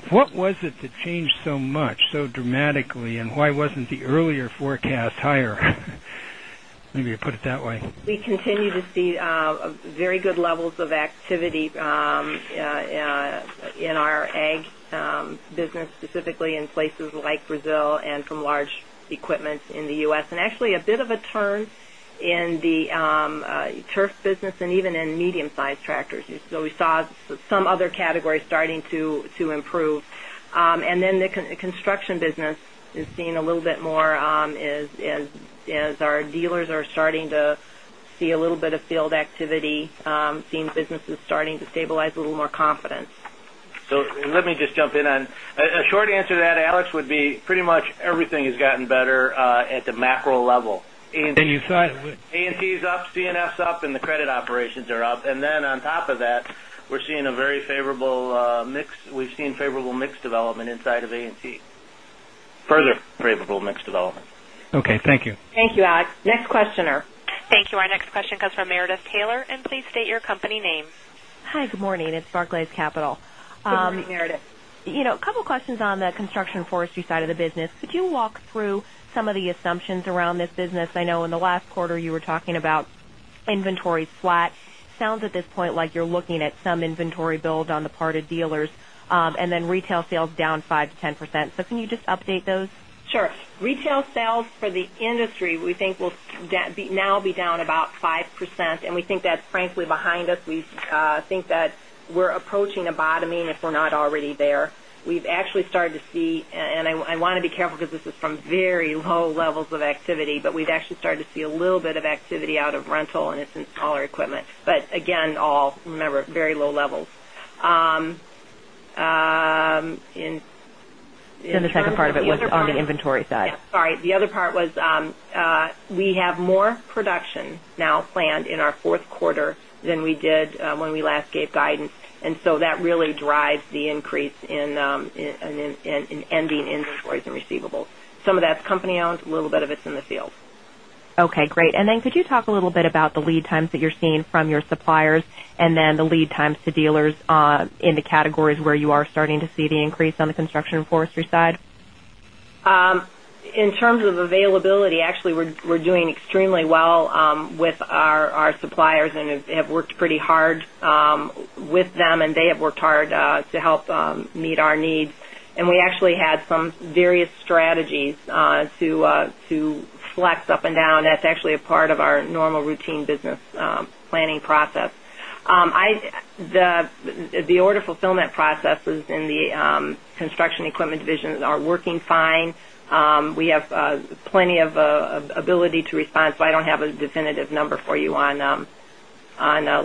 what was it that changed so much so dramatically and why wasn't the earlier forecast higher? Maybe put it that way.
We continue to see very good levels of activity in our ag business specifically in places like Brazil and from large equipments in the U. S. And actually a bit of a turn in the turf business and even in medium sized tractors. So we saw some other categories starting to improve. And then the construction business is a little bit more as our dealers are starting to see a little bit of field activity, seeing business is starting to stabilize a little more confidence.
So let me just jump in on. A short answer to that Alex would be pretty much everything has gotten better at the macro level. T is up, C and F is up and the credit operations are up. And then on top of that, we're seeing a very favorable mix. We've seen favorable mix development inside of A and T, further favorable mix development.
Okay. Thank you.
Thank you, Ad. Next questioner. Thank you.
Our next question comes from Meredith Taylor. And please state your company name.
Hi, good morning. It's Barclays Capital. Good morning, Meredith. A couple of questions on the construction and forestry side of the business. Could you walk through some of the assumptions around this business? I know in the last quarter you were talking about inventory flat. It sounds at this point like you're looking at some inventory build on the part of dealers and then retail sales down 5% to 10%. So can you just update those? Sure. Retail sales for the industry, we think will now be down about 5%, and we think that's frankly behind us. We think that we're approaching a bottoming if we're not already there. We've actually started to see and I want to be careful because this is from very low levels of activity, but we've actually start to see a little bit of activity out of rental and it's in smaller equipment. But again, all remember very low levels. Then the second part of it was on the inventory side. Yes. Sorry. The other part was, we have more production now planned in our 4th quarter than we did when we last gave guidance. And so that really drives the increase in ending inventories and receivables. Of that's company owned, a little bit of it's in the field. Okay, great. And then could you talk a little bit about the lead times that you're seeing from your suppliers and then the lead times to dealers in the categories where you are starting to see the increase on the construction and forestry side? In terms of availability, actually we're doing extremely well with our suppliers and have worked pretty hard with them and they have worked hard to help meet our needs. And we actually had some various strategies to flex up and down. That's actually a part of our normal routine business planning process. The order fulfillment processes in the Construction Equipment division are working fine. We have plenty of ability to respond, so I don't have a definitive number for you on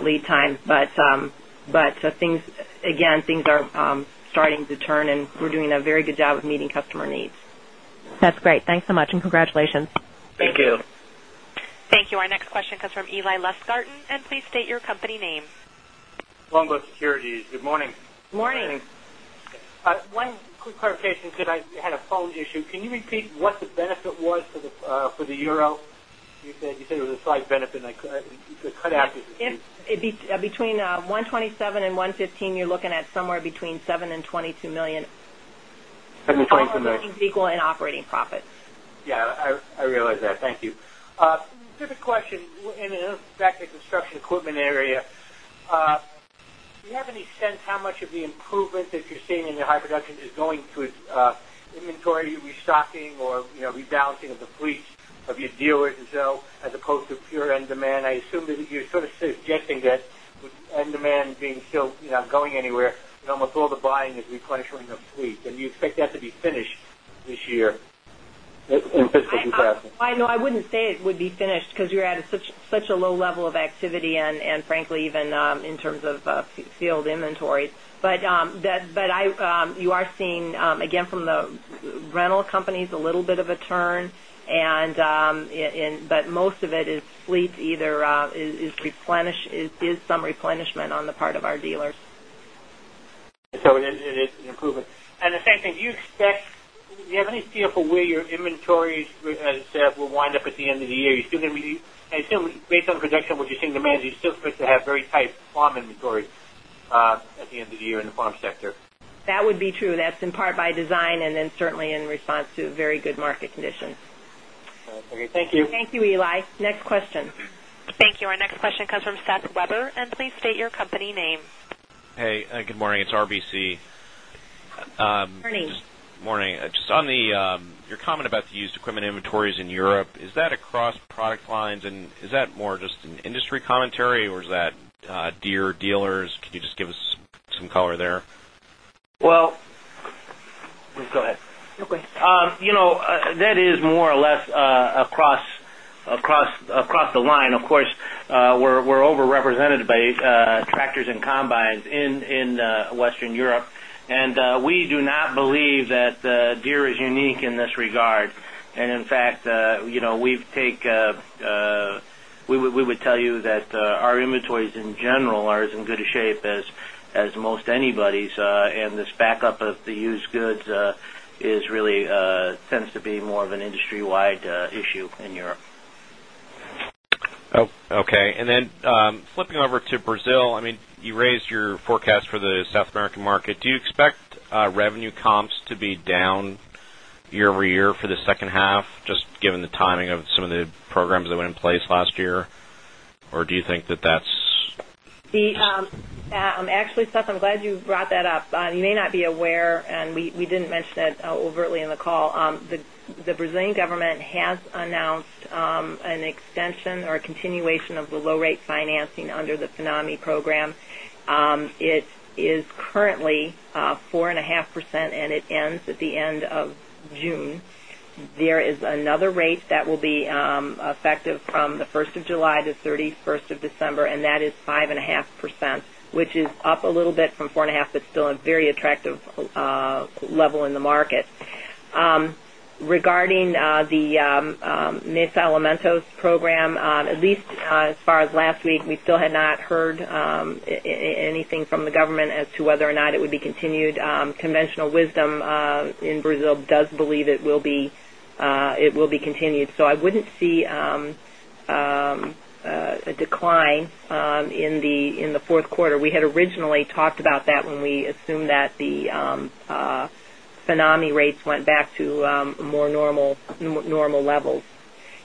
lead times. But things again, things are starting to turn and we're doing a very good job of meeting customer needs. That's great. Thanks so much and
Our next question comes from Eli Lusgarten. Please state your company name.
Longbow Securities. Good morning. Good morning. Good morning. One quick clarification, because I had a phone issue. Can you repeat what the benefit was for the euro? You said it was a slight benefit and I cut out.
Between 127,000,000 115,000,000 you're looking at somewhere between 7,000,000 and $29,000,000
Between $2,000,000 Between $2,000,000 Between
$2,000,000 Between $2,000,000
Yes, I realize that. Thank you. A different question, in fact, the construction equipment area, do you have any sense how much of the improvement that you're seeing in your high production is going through inventory restocking or rebalancing of the fleets of your dealers as opposed to pure end demand? I assume that you're sort of suggesting that with end demand being still going anywhere, almost all the buying is replenishing the fleet. And do you expect that to be finished this year in fiscal 2020?
No, I wouldn't say it would be finished because you're at such a low level of activity and frankly even in terms of field inventory. But I you are seeing, again, from the rental companies a little bit of a turn. And but most of it is fleet either is replenish is some replenishment on the part of our dealers.
So it is an improvement. And the same thing, do you expect do you have any feel for where your inventories will wind up at the end of the year? You still going to be I assume based on production, what you're seeing demand, you're still supposed to have very tight farm inventory at the end of the year in the farm sector.
That would be true. That's in part by design and then certainly in response to very good market condition.
Okay. Thank you.
Thank you, Eli. Next question.
Thank you. Our next question comes from Seth Weber. And please state your company name.
Hey, good morning. It's RBC.
Good morning.
Good morning. Just on the your comment about the used equipment inventories in Europe, is that across product lines? And is that more just an industry commentary or is that Deere dealers? Can you just give us some color there?
Well, please go ahead. Okay.
That is more or less across the line. Of course, we're overrepresented by tractors and combines in Western Europe. And we do not believe that Deere is unique in this regard. And in fact, we've take we would tell you that our inventories in general are as in good shape as most anybody's and this backup of the used goods is really tends to be more of an industry wide issue in Europe.
Okay. And then, flipping over to Brazil, I mean, you raised your forecast for the South American market. Do you expect revenue comps to be down year over year for the second half, just given the timing of some of the programs that went in place last year? Or do you think that that's
Actually Seth, I'm glad you brought that up. You may not be aware and we didn't mention that overtly in the call. The Brazilian government has announced an extension or continuation of the low rate financing under the Phenami program. It is currently 4.5% and it ends at the end of June. There is another rate that will be effective from the 1st July to 31st December and that is 5.5 percent, which is up a little bit from 4.5 percent, but still a very attractive level in the market. Regarding the Mesa Alamitos program, at least as far as last week, we still had not heard anything from the government as to whether or not it would be continued. Conventional wisdom in Brazil does believe it will be continued. So I wouldn't see a decline in the Q4. We had tsunami rates went back to more normal levels.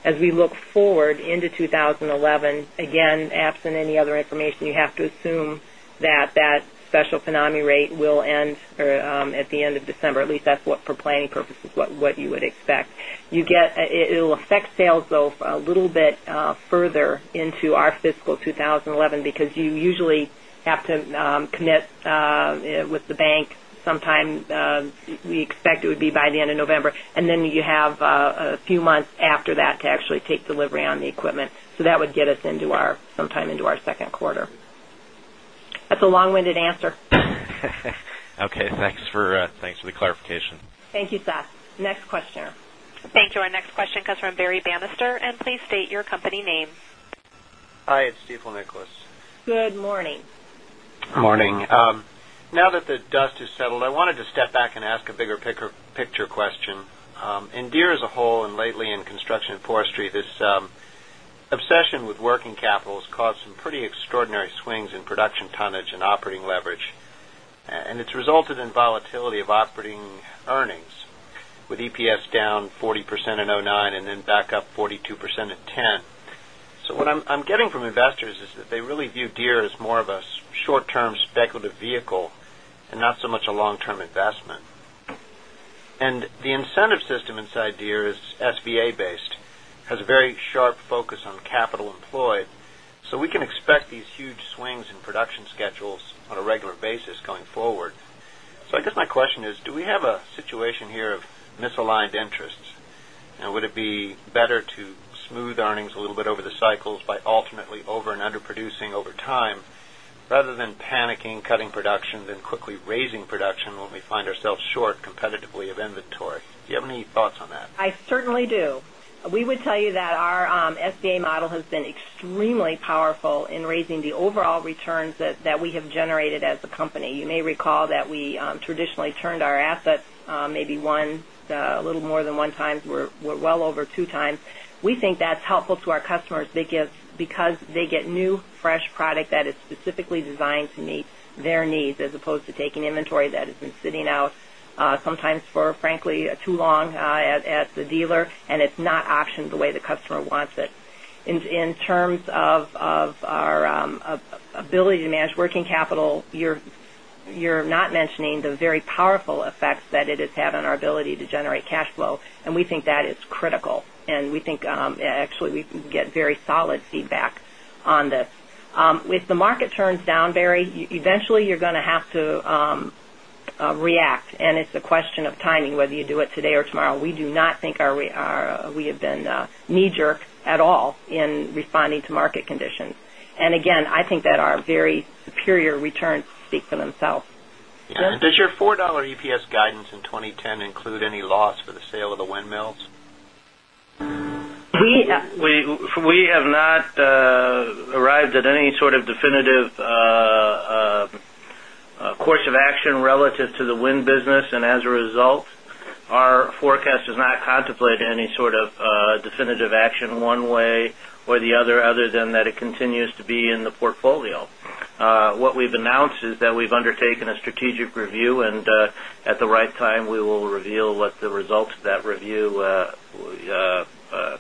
As we look forward into 2011, again, absent any other information, you have to assume that that special phenomena rate will end at the end of December, at least that's what for planning purposes what you would expect. You get it will affect sales though a little bit further into our fiscal 2011, because you usually have to commit with the bank sometime we expect it would be by the end of November. And then you have a few months after that to actually take delivery on the equipment. So that would get us into our sometime into our Q2. That's a long winded answer.
Okay. Thanks for the clarification.
Thank you, Seth. Next questioner.
Thank you. Our next question comes from Barry Bannister. And please state your company name.
Hi, it's Stifel, Nicholas.
Good morning.
Good morning. Now that the dust is settled, I wanted to step back and ask a bigger picture question. In Deere as a whole and lately in construction and forestry, this obsession with working capital has caused pretty extraordinary swings in production tonnage and operating leverage. And it's resulted in volatility of operating earnings with EPS down 40% in 'nine and then back up 42% in 'ten. So what I'm getting from investors is that they really view Deere as more of a short term speculative vehicle and not so much a long term investment. And the incentive system inside Deere is SBA based, has a very sharp focus on capital employed. So we can expect these huge swings in production schedules on a regular basis going forward. So I guess my question is, do we have a situation here of misaligned interests? Would it be better to smooth earnings a little bit over the cycles by ultimately over and under producing over time rather than panicking, cutting production and quickly raising production when we find ourselves short competitively of inventory. Do you have any thoughts on that?
I certainly do. We would tell you that our SBA model has been extremely powerful in raising the overall returns that we have generated as a company. You may recall that we traditionally turned our assets maybe one a little more than one times, we're well over 2 times. We think that's helpful to our customers because they get new fresh product that is specifically designed to meet their needs as opposed to taking inventory that has been sitting out sometimes for frankly too long at the dealer and it's not optioned the way the customer wants it. In terms of our ability to manage working capital, you're not mentioning the very powerful effects that it has had on our ability to generate cash flow. And we think that is critical. And we think, actually we can get very solid feedback on this. With the market turns down Barry, eventually you're going to have to react. And it's a question of timing whether you do it today or tomorrow. We do not think we have been knee jerk at all in responding to market conditions. And again, I think that our very superior returns speak for themselves.
Does your $4 EPS guidance in 20.10 include any loss for the sale of the windmills?
We have not arrived at any sort of definitive course of action relative to the wind business and as a result our forecast does not contemplate any sort of definitive action one way or the other other than that it continues to be in the portfolio. What we've announced is that we've undertaken a strategic review and at the right time we will reveal what the results of that review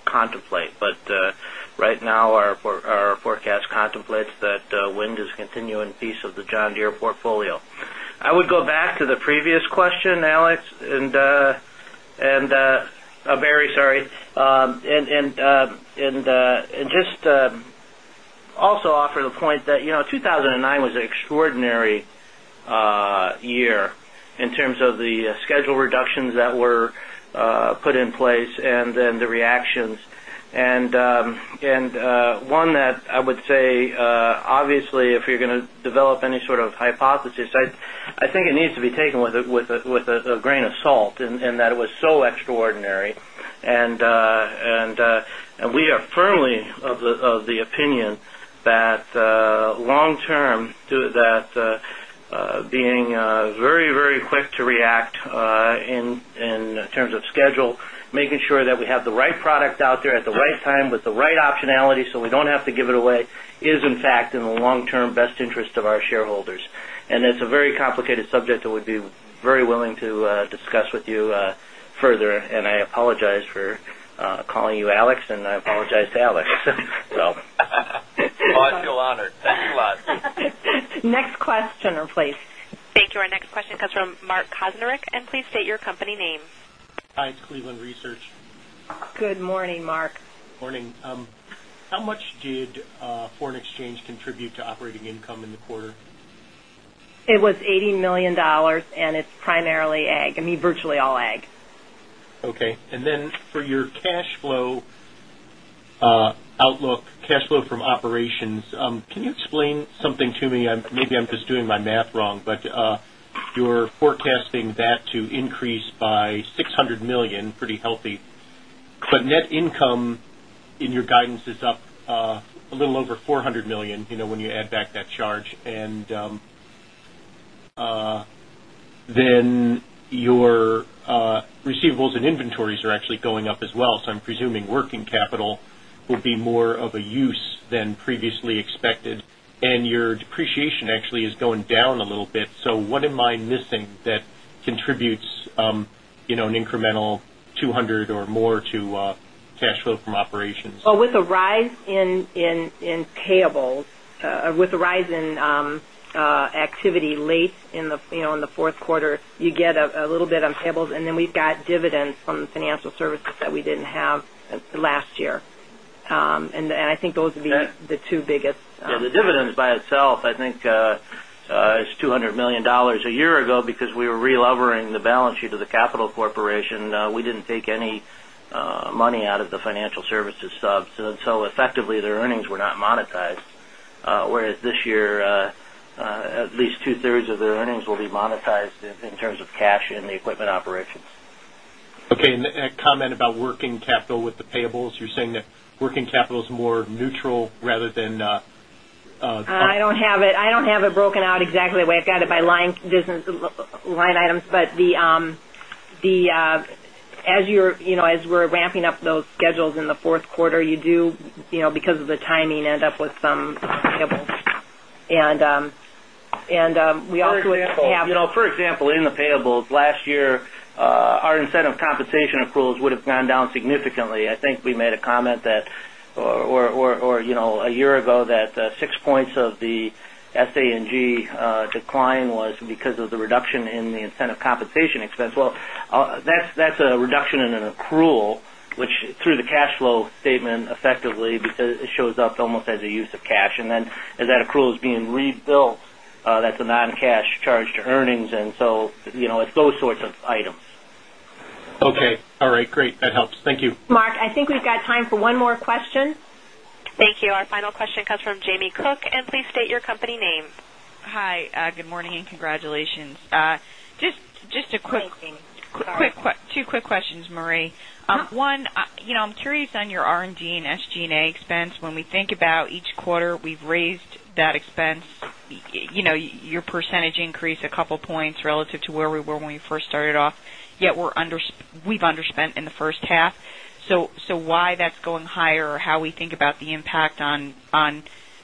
contemplate. But right now, our forecast contemplates that wind is continuing piece of the John Deere portfolio. I would go back to the previous question, Alex, and I'm very sorry. And just also offer the point that 2,009 was an extraordinary year in terms of the schedule reductions that were put in place and then the reactions. And one that I would say, obviously, if you're going to develop any sort of hypothesis, I think it needs to be taken with a grain of salt and that it was so extraordinary. And we are firmly of the opinion that long term to that being very, very quick to react in terms of schedule, making sure that we have the right product out there at the right time with the right optionality, so we don't have to give it away is in fact in the long term best interest of our shareholders. And it's a very complicated subject that we'd be very willing to discuss with you further. And I apologize for calling you Alex and I apologize to Alex.
I feel honored. Thank you a
lot. Next questioner please.
Thank you. Our next question comes from Mark Kocnerich. Please state your company name.
It's Cleveland Research.
Good morning, Mark. Good morning. How much did foreign exchange contribute
to operating income in the quarter?
It was $80,000,000 and it's primarily ag, I mean virtually all ag.
Okay. And then for your cash flow outlook, cash flow from operations, can you explain something to me? Maybe I'm just doing my math wrong, but you're forecasting that to increase by $600,000,000 pretty healthy. But net income in your guidance is up a little over $400,000,000 when you add back that charge. And then your receivables and inventories are actually going up as well. So I'm presuming working capital would be more of a use than previously expected. And your depreciation actually is going down a little bit. So what am I missing that contributes an incremental 200 or more to cash flow from operations?
Well, with the rise in payables with the rise in activity late in Q4, you get a little bit on payables. And then we've got dividends from the financial services that we didn't have last year. And I think those are the 2 biggest
The dividends by itself, I think is $200,000,000 a year ago because we were relevering the balance sheet of the Capital Corporation. We didn't take any money out of the financial services sub. So effectively their earnings were not monetized, whereas this year at least 2 thirds of their earnings will be monetized in terms of cash in the equipment operations.
Okay. And a comment about working capital with the payables, you're saying that working capital is more neutral rather than
I don't have it. I don't have it broken out exactly the way I've guided by line items. But the as you're as we're ramping up those schedules in the Q4, you do because of the timing end up with some payables. And we also have For example,
in the payables last year, our incentive compensation accruals would have gone down significantly. I think we made a comment that or a year ago that 6 points of the SA and G decline was because of the reduction in the incentive compensation expense. Well, that's a reduction in an accrual, which through the cash flow statement effectively because it shows up almost as a use of cash. And then as that accrual is being rebuilt, that's a non cash charge to earnings. And so, it's those sorts of items.
Okay. All right. Great. That helps. Thank you.
Mark, I think we've got time for one more question.
Thank you. Our final question comes from Jamie Cook. And please state your company name.
Hi, good morning and congratulations. Just a quick 2 quick questions, Marie. One, I'm curious on your R and D and SG and A expense. When we think about each quarter, we've raised that expense. Your percentage increase a couple of points relative to where we were when we first started off. Yet we're under we've underspent in the first So why that's going higher? How we think about the impact on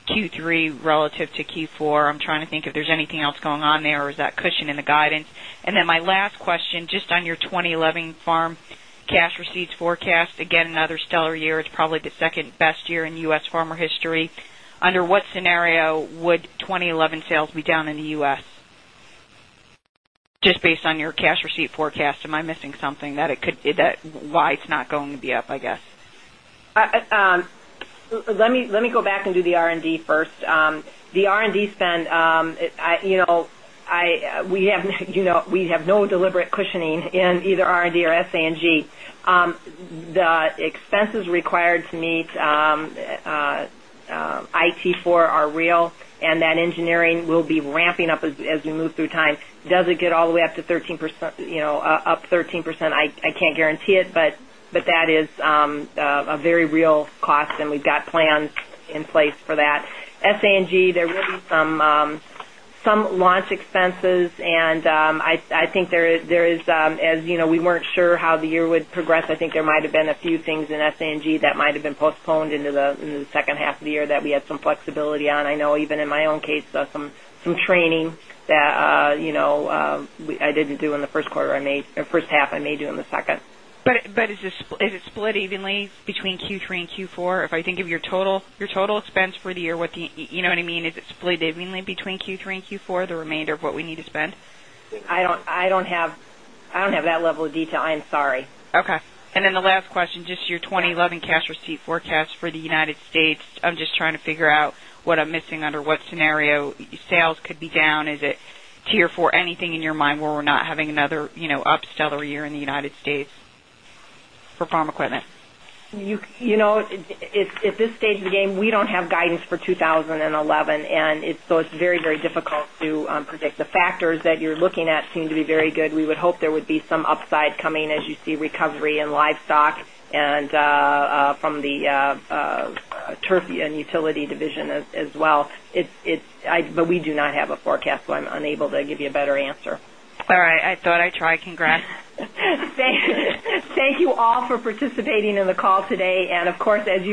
Q3 relative to Q4? I'm trying to think if there's anything else going on there or is that cushion in the guidance? And then my last question, just on your 2011 farm cash receipts forecast, again another stellar year. It's probably the 2nd best year in U. S. Farmer history. Under what scenario would 2011 sales be down in the U. S? Just based on your cash receipt forecast? Am I missing something that it could why it's not going to be up, I guess?
Let me go back and do the R and D first. The R and D spend, I we have no deliberate cushioning in either R and D or S and G. The expenses required to meet IT for our real and that engineering will be ramping up as we move through time. Does it get all the way up to 13% up 13%, I can't guarantee it, but that is a very real cost and we've got plans in place for that. SANG, there will be some launch expenses. And I think there is as you know, we weren't sure how the year would progress. I think there might have been a few things in SA and G that might have been postponed into the second half of the year that we had some flexibility on. I know even in my own case some training that I didn't do in the Q1, I made first half I may do in the second.
But is it split evenly between Q3 and Q4? If I
think of your total expense for the year, what do you know what I mean? Is it split evenly between Q3 and Q4 the remainder of what we need to spend?
I don't have that level of detail. I'm sorry.
Okay. And then the last question just your 20 11 cash receipt forecast for the United States. I'm just trying to figure out I'm missing under what scenario sales could be down. Is it Tier 4 anything in your mind where we're not having another up stellar year in the United States for farm equipment?
At this stage of the game, we don't have guidance for 2011 and it's very, very difficult to predict. The factors that you're looking at seem to be very good. We would hope there would be some upside coming as you see recovery in livestock and from the Turfia and Utility division as well. It's but we do not have a forecast, so I'm unable to give you a better answer.
All right.
I thought I'd try. Congrats.
Thank you all for participating in the call today. And of course, as